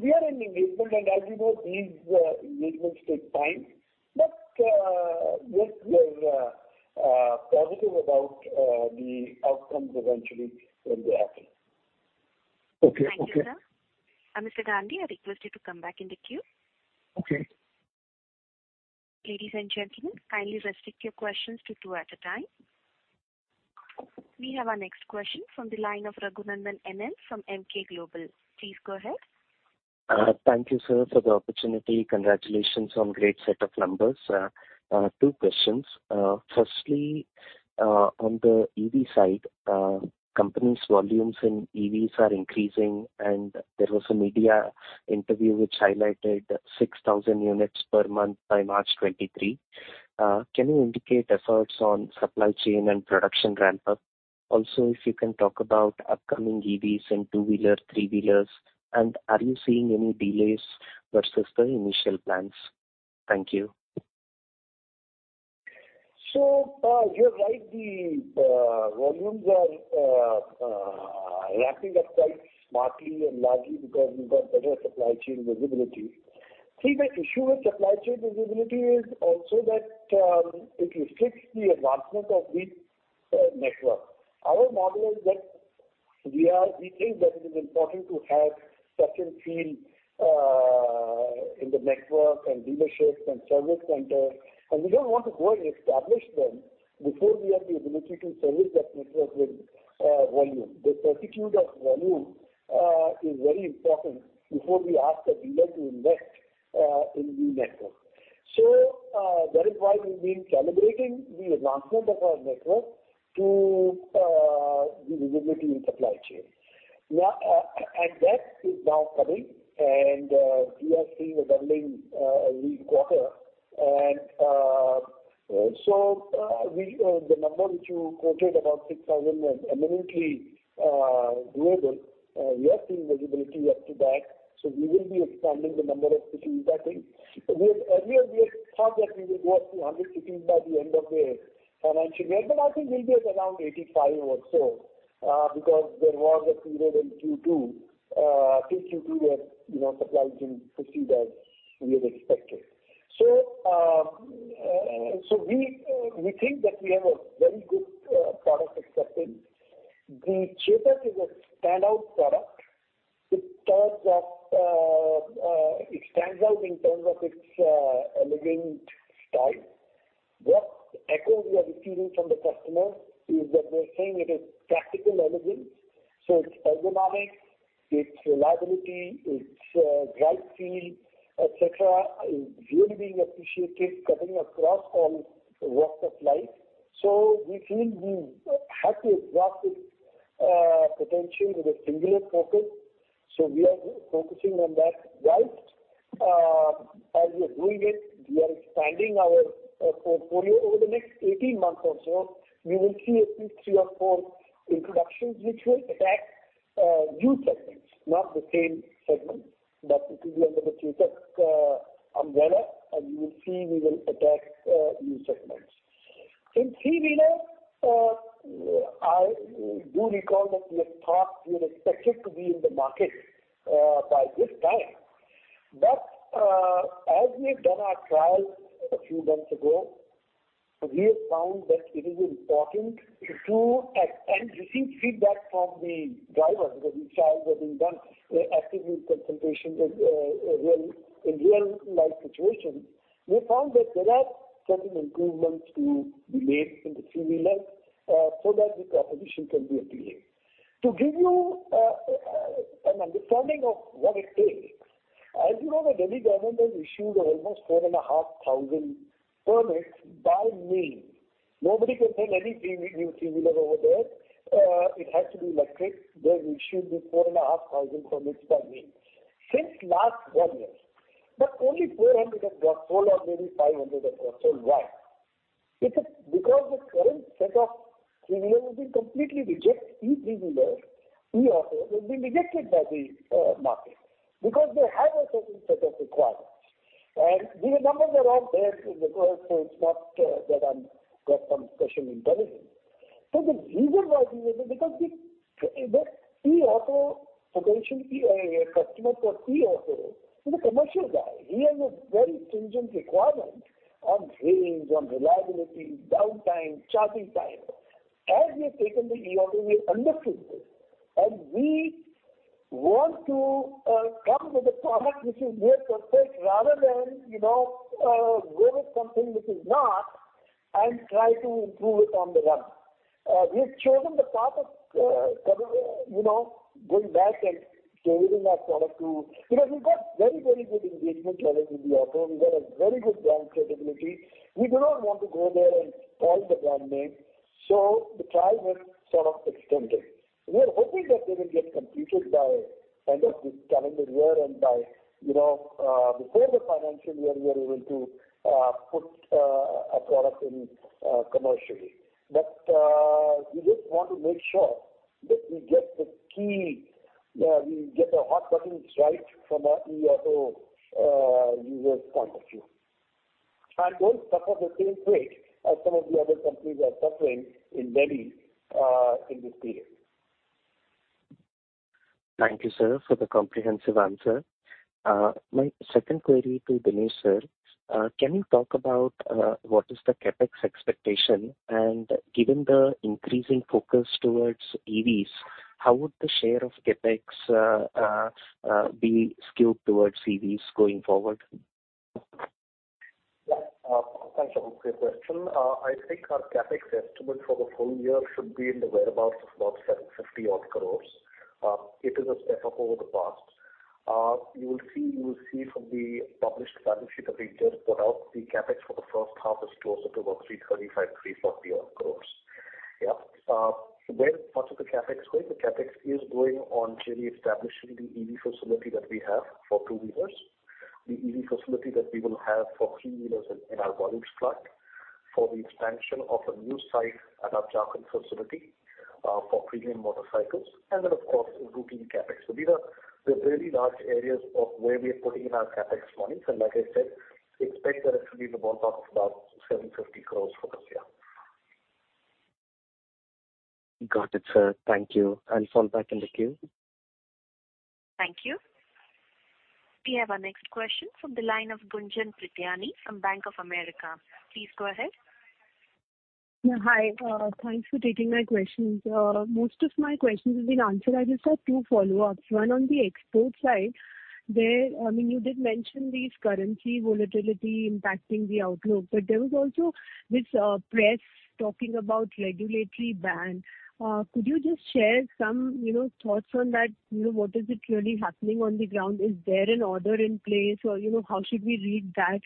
We are in engagement, and as you know, these engagements take time. Yes, we are positive about the outcomes eventually when they happen. Okay. Thank you, sir. Mr. Jinesh Gandhi, I request you to come back in the queue. Okay. Ladies and gentlemen, kindly restrict your questions to two at a time. We have our next question from the line of Raghunandan M. N. from Emkay Global. Please go ahead. Thank you, sir, for the opportunity. Congratulations on great set of numbers. Two questions. Firstly, on the EV side, company's volumes in EVs are increasing, and there was a media interview which highlighted 6,000 units per month by March 2023. Can you indicate efforts on supply chain and production ramp-up? Also, if you can talk about upcoming EVs in two-wheeler, three-wheelers, and are you seeing any delays versus the initial plans? Thank you. You're right. The volumes are ramping up quite smartly and largely because we've got better supply chain visibility. See, the issue with supply chain visibility is also that it restricts the advancement of each network. Our model is that we think that it is important to have touch and feel in the network and dealerships and service centers, and we don't want to go and establish them before we have the ability to service that network with volume. The magnitude of volume is very important before we ask a dealer to invest in new network. That is why we've been calibrating the advancement of our network to the visibility in supply chain. Now, that is now coming and we are seeing a doubling every quarter. The number which you quoted about 6,000 was eminently doable. We are seeing visibility up to that, so we will be expanding the number of cities, I think. We had thought that we will go up to 100 cities by the end of the financial year, but I think we'll be at around 85 or so, because there was a period in Q2 till Q2 where, you know, supply didn't proceed as we had expected. We think that we have a very good product acceptance. The Chetak is a standout product. It stands out in terms of its elegant style. What echo we are receiving from the customers is that they're saying it is practical elegance, so its ergonomics, its reliability, its drive feel, et cetera, is really being appreciated, cutting across all walks of life. We feel we have to exhaust its potential with a singular focus, so we are focusing on that. While, as we are doing it, we are expanding our portfolio. Over the next 18 months or so, we will see at least 3 or 4 introductions which will attack new segments, not the same segments. It will be under the Chetak umbrella. See, we will attack new segments. In three-wheeler, I do recall that we have thought we were expected to be in the market by this time. As we have done our trials a few months ago, we have found that it is important to do and receive feedback from the drivers. Because the trial was being done in actual use, in consultation with a real life situation. We found that there are certain improvements to be made in the three-wheelers, so that the proposition can be appealing. To give you an understanding of what it takes. As you know, the Delhi government has issued almost 4,500 permits by May. Nobody can sell any new three-wheeler over there. It has to be electric. They have issued these 4,500 permits by May. Since last one year, but only 400 have got sold or maybe 500 have got sold. Why? It is because the current set of three-wheeler will be completely reject. e-3-wheeler, e-auto will be rejected by the market because they have a certain set of requirements. These numbers are all there, not that I've got some special intelligence. The reason why is because the potential customer for e-auto is a commercial guy. He has a very stringent requirement on range, on reliability, downtime, charging time. As we have taken the e-auto, we have understood this, and we want to come with a product which is near perfect rather than, you know, go with something which is not and try to improve it on the run. We have chosen the path of, you know, going back and tailoring our product to. You know, we've got very, very good engagement levels with the auto. We've got a very good brand credibility. We do not want to go there and soil the brand name. The trial has sort of extended. We are hoping that they will get completed by end of this calendar year and by, you know, before the financial year, we are able to put a product in commercially. We just want to make sure that we get the hot buttons right from a e-auto user's point of view. Don't suffer the same fate as some of the other companies are suffering in Delhi in this period. Thank you, sir, for the comprehensive answer. My second query to Dinesh, sir. Can you talk about what is the CapEx expectation? Given the increasing focus towards EVs, how would the share of CapEx be skewed towards EVs going forward? Thanks, Raghu, for your question. I think our CapEx estimate for the full year should be in the whereabouts of about 750 odd crores. It is a step up over the past. You will see from the published financials that we just put out, the CapEx for the first half is closer to about 335-340 odd crores. Where most of the CapEx goes, the CapEx is going on really establishing the EV facility that we have for two-wheelers. The EV facility that we will have for three-wheelers in our volumes slot. For the expansion of a new site at our Jharkhand facility, for premium motorcycles, and then of course routine CapEx. These are the really large areas of where we are putting in our CapEx funds. Like I said, we expect that it will be in the ballpark of about 750 crores for this year. Got it, sir. Thank you. Phone back in the queue. Thank you. We have our next question from the line of Gunjan Prithyani from Bank of America. Please go ahead. Yeah. Hi. Thanks for taking my questions. Most of my questions have been answered. I just have two follow-ups. One on the export side there. I mean, you did mention these currency volatility impacting the outlook, but there was also this press talking about regulatory ban. Could you just share some, you know, thoughts on that? You know, what is it really happening on the ground? Is there an order in place or, you know, how should we read that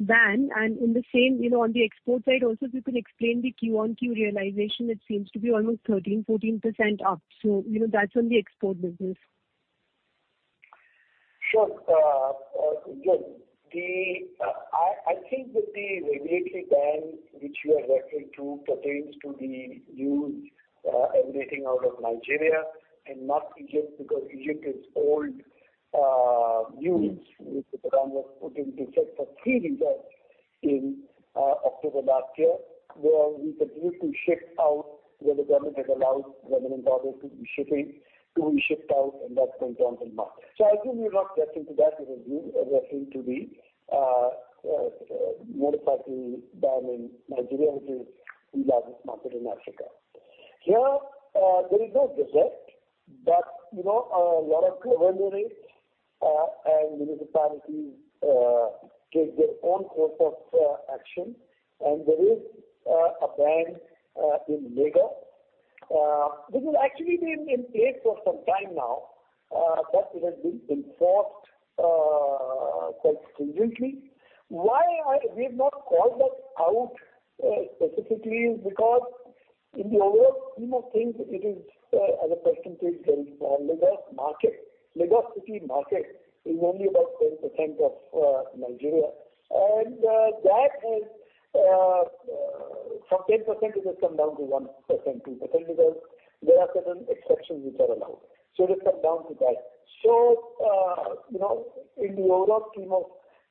ban? And in the same, you know, on the export side also, if you could explain the Q-on-Q realization, it seems to be almost 13%, 14% up. So, you know, that's on the export business. Sure. Yes. I think that the regulatory ban which you are referring to pertains to the news emanating out of Nigeria and not Egypt, because Egypt is old news which the government put into effect for three-wheelers in October last year, where we continue to ship out, where the government has allowed relevant orders to be shipped out. That's going on till March. I think you're not getting to that. You're referring to the motorcycle ban in Nigeria, which is the largest market in Africa. Here, there is no desert, but you know, a lot of governorates and municipalities take their own course of action. There is a ban in Lagos, which has actually been in place for some time now, but it has been enforced quite stringently. Why we have not called that out specifically is because in the overall scheme of things, it is as a percentage very small. Lagos market, Lagos city market is only about 10% of Nigeria. That has from 10% it has come down to 1%, 2%, because there are certain exceptions which are allowed. It has come down to that. You know, in the overall scheme of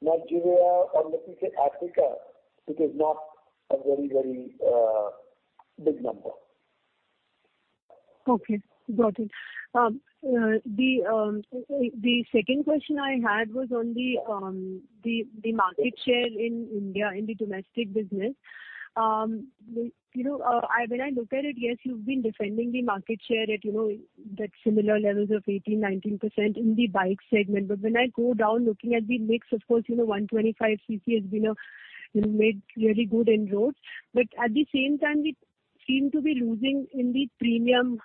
Nigeria or let me say Africa, it is not a very, very big number. Okay. Got it. The second question I had was on the market share in India, in the domestic business. You know, when I look at it, yes, you've been defending the market share at, you know, that similar levels of 18%, 19% in the bike segment. When I go down looking at the mix, of course, you know, 125 cc has been a, you know, made really good inroads. At the same time, we seem to be losing in the premium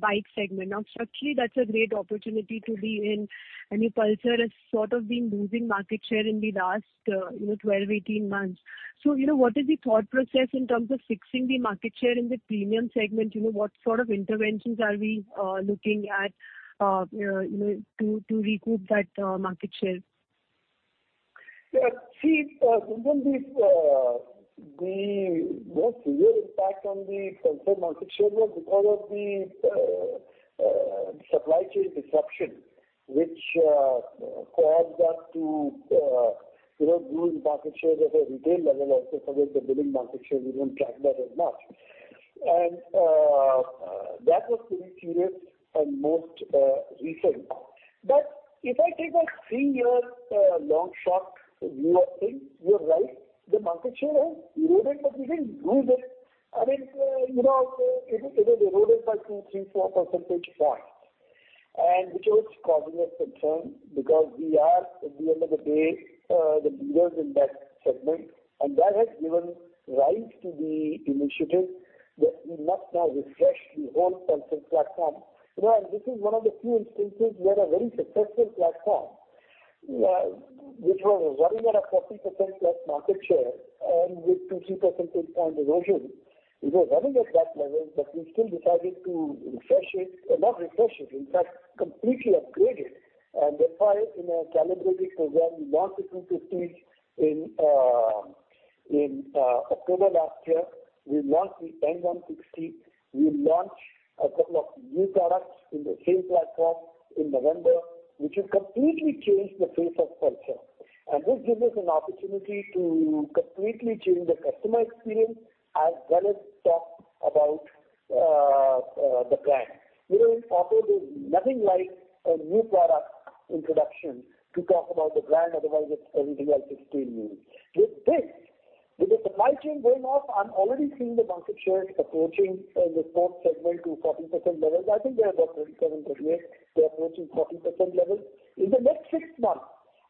bike segment. Now, structurally, that's a great opportunity to be in. I mean, Pulsar has sort of been losing market share in the last, you know, 12, 18 months. You know, what is the thought process in terms of fixing the market share in the premium segment? You know, what sort of interventions are we looking at, you know, to recoup that market share? Yeah. See, Gunjan, the most real impact on the Pulsar market share was because of the supply chain disruption, which caused us to, you know, lose market share at a retail level. As I said, forget the billing market share, we don't track that as much. That was very serious and most recent. If I take a 3-year long shot view of things, you're right, the market share has eroded, but we didn't lose it. I mean, you know, it was eroded by 2, 3, 4 percentage points, and which was causing us concern because we are, at the end of the day, the leaders in that segment. That has given rise to the initiative that we must now refresh the whole Pulsar platform. You know, this is one of the few instances we had a very successful platform, which was running at a 40%+ market share, and with 2-3 percentage point erosion, it was running at that level, but we still decided to refresh it. Not refresh it, in fact, completely upgrade it. Therefore, in a calibrated program, we launched the 250 in October last year. We launched the N160. We launched a couple of new products in the same platform in November, which has completely changed the face of Pulsar. This gives us an opportunity to completely change the customer experience as well as talk about the brand. You know, in auto there's nothing like a new product introduction to talk about the brand, otherwise everything else is stale news. With this, with the supply chain going off, I'm already seeing the market share approaching the fourth segment to 40% levels. I think they're about 37, 38. They're approaching 40% levels. In the next six months,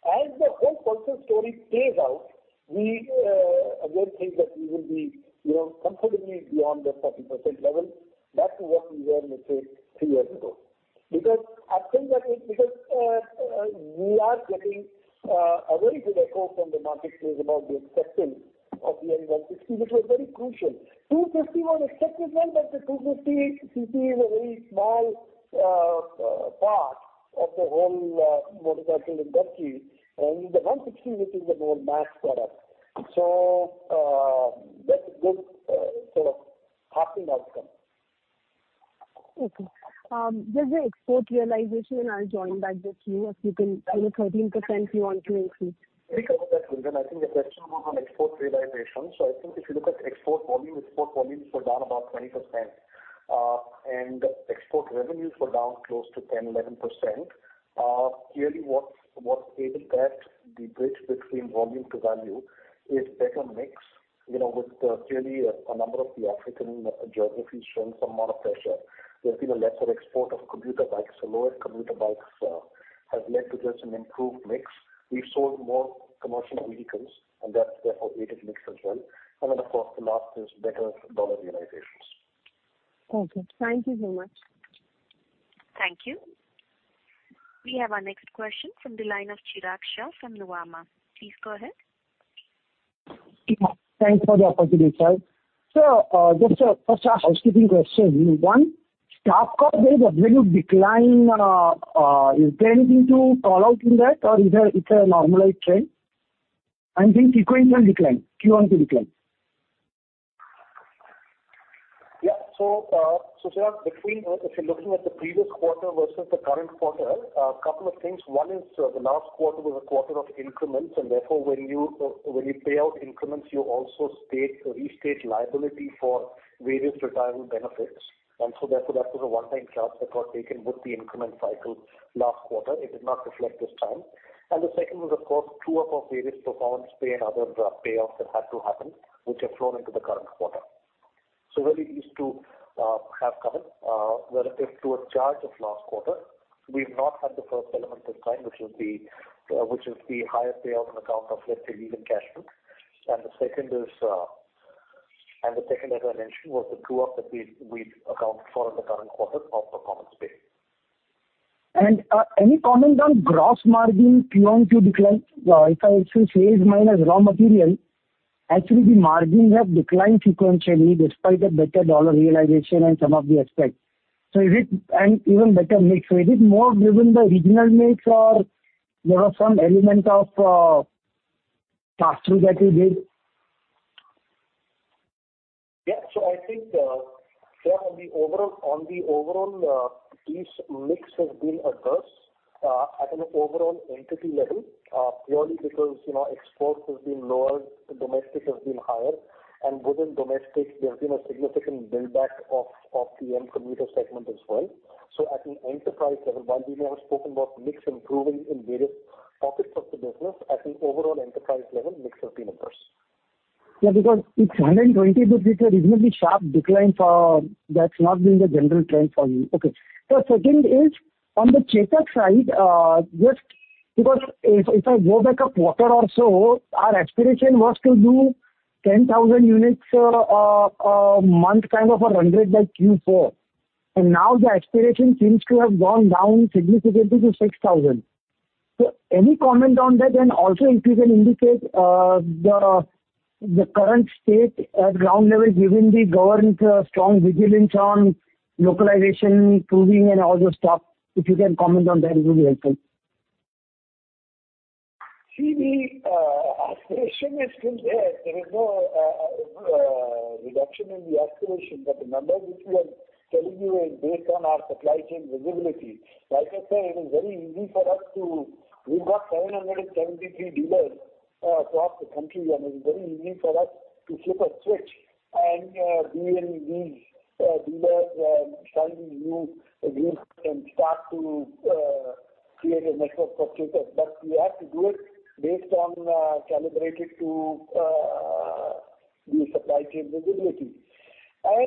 as the whole Pulsar story plays out, we again think that we will be, you know, comfortably beyond the 40% level back to what we were, let's say, three years ago. Because we are getting a very good echo from the marketplace about the acceptance of the N160, which was very crucial. 250 was accepted well, but the 250 cc is a very small part of the whole motorcycle industry, and the 160, which is a more mass product. That's a good sort of happy outcome. Okay. Just the export realization, I'll join back with you if you can, you know, 13% you want to increase. Think about that, Gunjan. I think the question was on export realization. I think if you look at export volume, export volumes were down about 20%. And export revenues were down close to 10, 11%. Clearly what's able to bridge the bridge between volume to value is better mix. You know, with clearly a number of the African geographies showing some amount of pressure. There's been a lesser export of commuter bikes. Lower commuter bikes has led to just an improved mix. We've sold more commercial vehicles, and that's therefore aided mix as well. Then, of course, the last is better dollar realizations. Okay. Thank you very much. Thank you. We have our next question from the line of Chirag Shah from Nomura. Please go ahead. Yeah. Thanks for the opportunity, sir. Just, first, a housekeeping question. One, staff cost as percent of revenue decline, is there anything to call out in that or is it? It's a normalized trend? Sequential decline, Q-on-Q decline. Yeah. Chirag, if you're looking at the previous quarter versus the current quarter, a couple of things. One is, the last quarter was a quarter of increments, and therefore when you pay out increments, you also restate liability for various retirement benefits. Therefore, that was a one-time charge that got taken with the increment cycle last quarter. It did not reflect this time. The second was, of course, true up of various performance pay and other payoffs that had to happen, which have flown into the current quarter. Where we used to have cover relative to a charge of last quarter, we've not had the first element this time, which is the higher payout on account of, let's say, leave encashment. The second, as I mentioned, was the true up that we've accounted for in the current quarter of performance pay. Any comment on gross margin Q-on-Q decline? If I say sales minus raw material, actually the margin have declined sequentially despite a better dollar realization and some of the expense. Is it an even better mix? Is it more driven the regional mix or there are some element of pass-through that you did? I think, sir, on the overall picture, mix has been adverse at an overall entity level, purely because, you know, exports has been lower, domestic has been higher. Within domestic, there's been a significant build-up of the entry commuter segment as well. At an enterprise level, while we may have spoken about mix improving in various pockets of the business, at an overall enterprise level, mix will be adverse. Yeah, because it's 120 this quarter, reasonably sharp decline. That's not been the general trend for you. Okay. Sir, second is on the Chetak side, just because if I go back a quarter or so, our aspiration was to do 10,000 units a month kind of a run rate by Q4. Now the aspiration seems to have gone down significantly to 6,000. Any comment on that? Also if you can indicate the current state at ground level, given the government strong vigilance on localization proving and all those stuff. If you can comment on that, it will be helpful. See, the aspiration is still there. There is no reduction in the aspiration, but the numbers which we are telling you is based on our supply chain visibility. Like I said, it is very easy for us. We've got 773 dealers across the country, and it's very easy for us to flip a switch and deal these dealers sign these new deals and start to create a network for Chetak. We have to do it based on calibrated to the supply chain visibility. We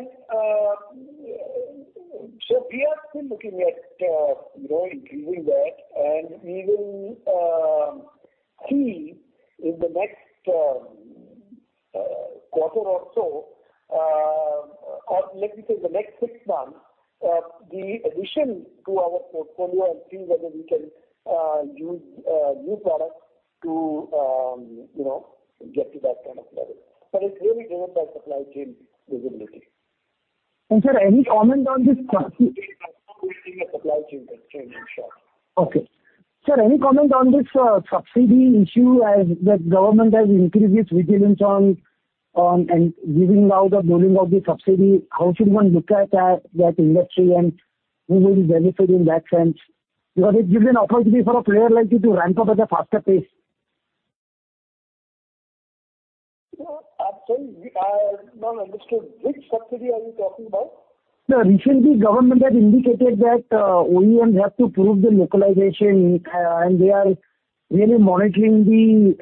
are still looking at, you know, increasing that, and we will see in the next quarter or so, or let me say the next six months, the addition to our portfolio and see whether we can use new products to, you know, get to that kind of level. It's really driven by supply chain visibility. Sir, any comment on this? We are still waiting for the supply chain to change, in short. Sir, any comment on this subsidy issue as the government has increased its vigilance on and giving out or rolling out the subsidy. How should one look at that industry and who will benefit in that sense? Because it gives an opportunity for a player like you to ramp up at a faster pace. No. I'm sorry. I have not understood. Which subsidy are you talking about? No, recently government had indicated that OEMs have to prove the localization, and they are really monitoring the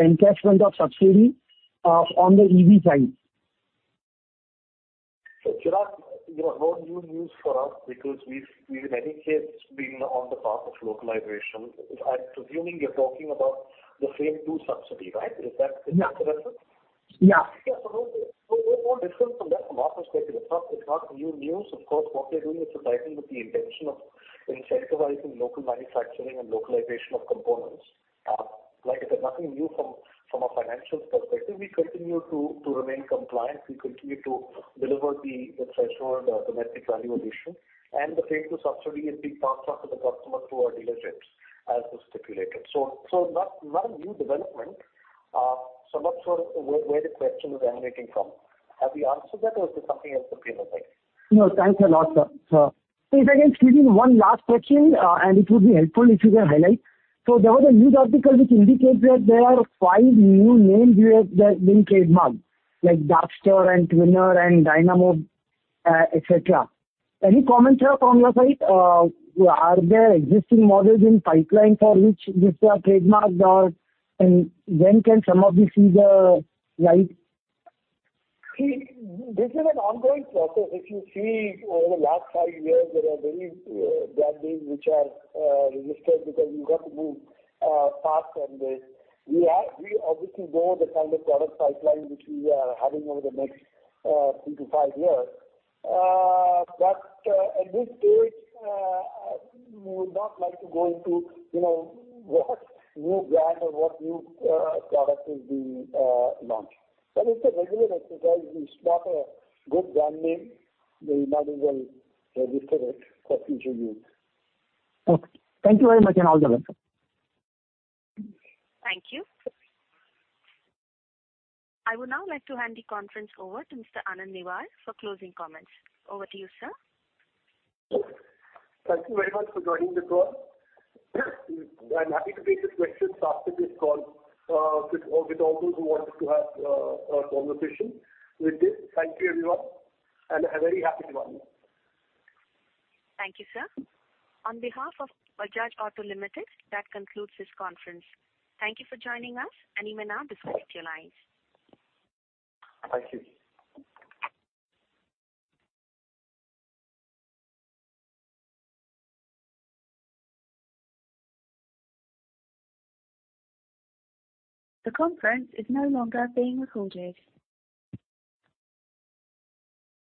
encashment of subsidy on the EV side. Chirag, you know, no new news for us because we've in any case been on the path of localization. I'm presuming you're talking about the FAME II subsidy, right? Is that- Yeah. Is that correct, sir? Yeah. Yeah. No different from that from our perspective. It's not new news. Of course, what they're doing is revising with the intention of incentivizing local manufacturing and localization of components. Like I said, nothing new from a financial perspective. We continue to remain compliant. We continue to deliver the threshold domestic value addition. The FAME II subsidy is being passed on to the customers through our dealerships as was stipulated. Not a new development. I'm not sure where the question is emanating from. Have we answered that or is there something else that came up there? No, thanks a lot, sir. Sir, if I can squeeze in one last question, and it would be helpful if you can highlight. There was a news article which indicates that there are five new names you have been trademarked, like Darkstar and Twinner and Dynamo, et cetera. Any comments, sir, from your side? Are there existing models in pipeline for which these are trademarked? Or and when can some of these see the light? See, this is an ongoing process. If you see over the last five years, there are many brand names which are registered because you've got to move fast and we obviously know the kind of product pipeline which we are having over the next three to five years. At this stage, we would not like to go into, you know, what new brand or what new product is being launched. It's a regular exercise. We spot a good brand name, the management will register it for future use. Okay. Thank you very much, and have a good one. Thank you. I would now like to hand the conference over to Mr. Anand Newar for closing comments. Over to you, sir. Thank you very much for joining the call. I'm happy to take the questions after this call, with all those who wanted to have a conversation with this. Thank you, everyone, and a very happy Diwali. Thank you, sir. On behalf of Bajaj Auto Limited, that concludes this conference. Thank you for joining us, and you may now disconnect your lines. Thank you.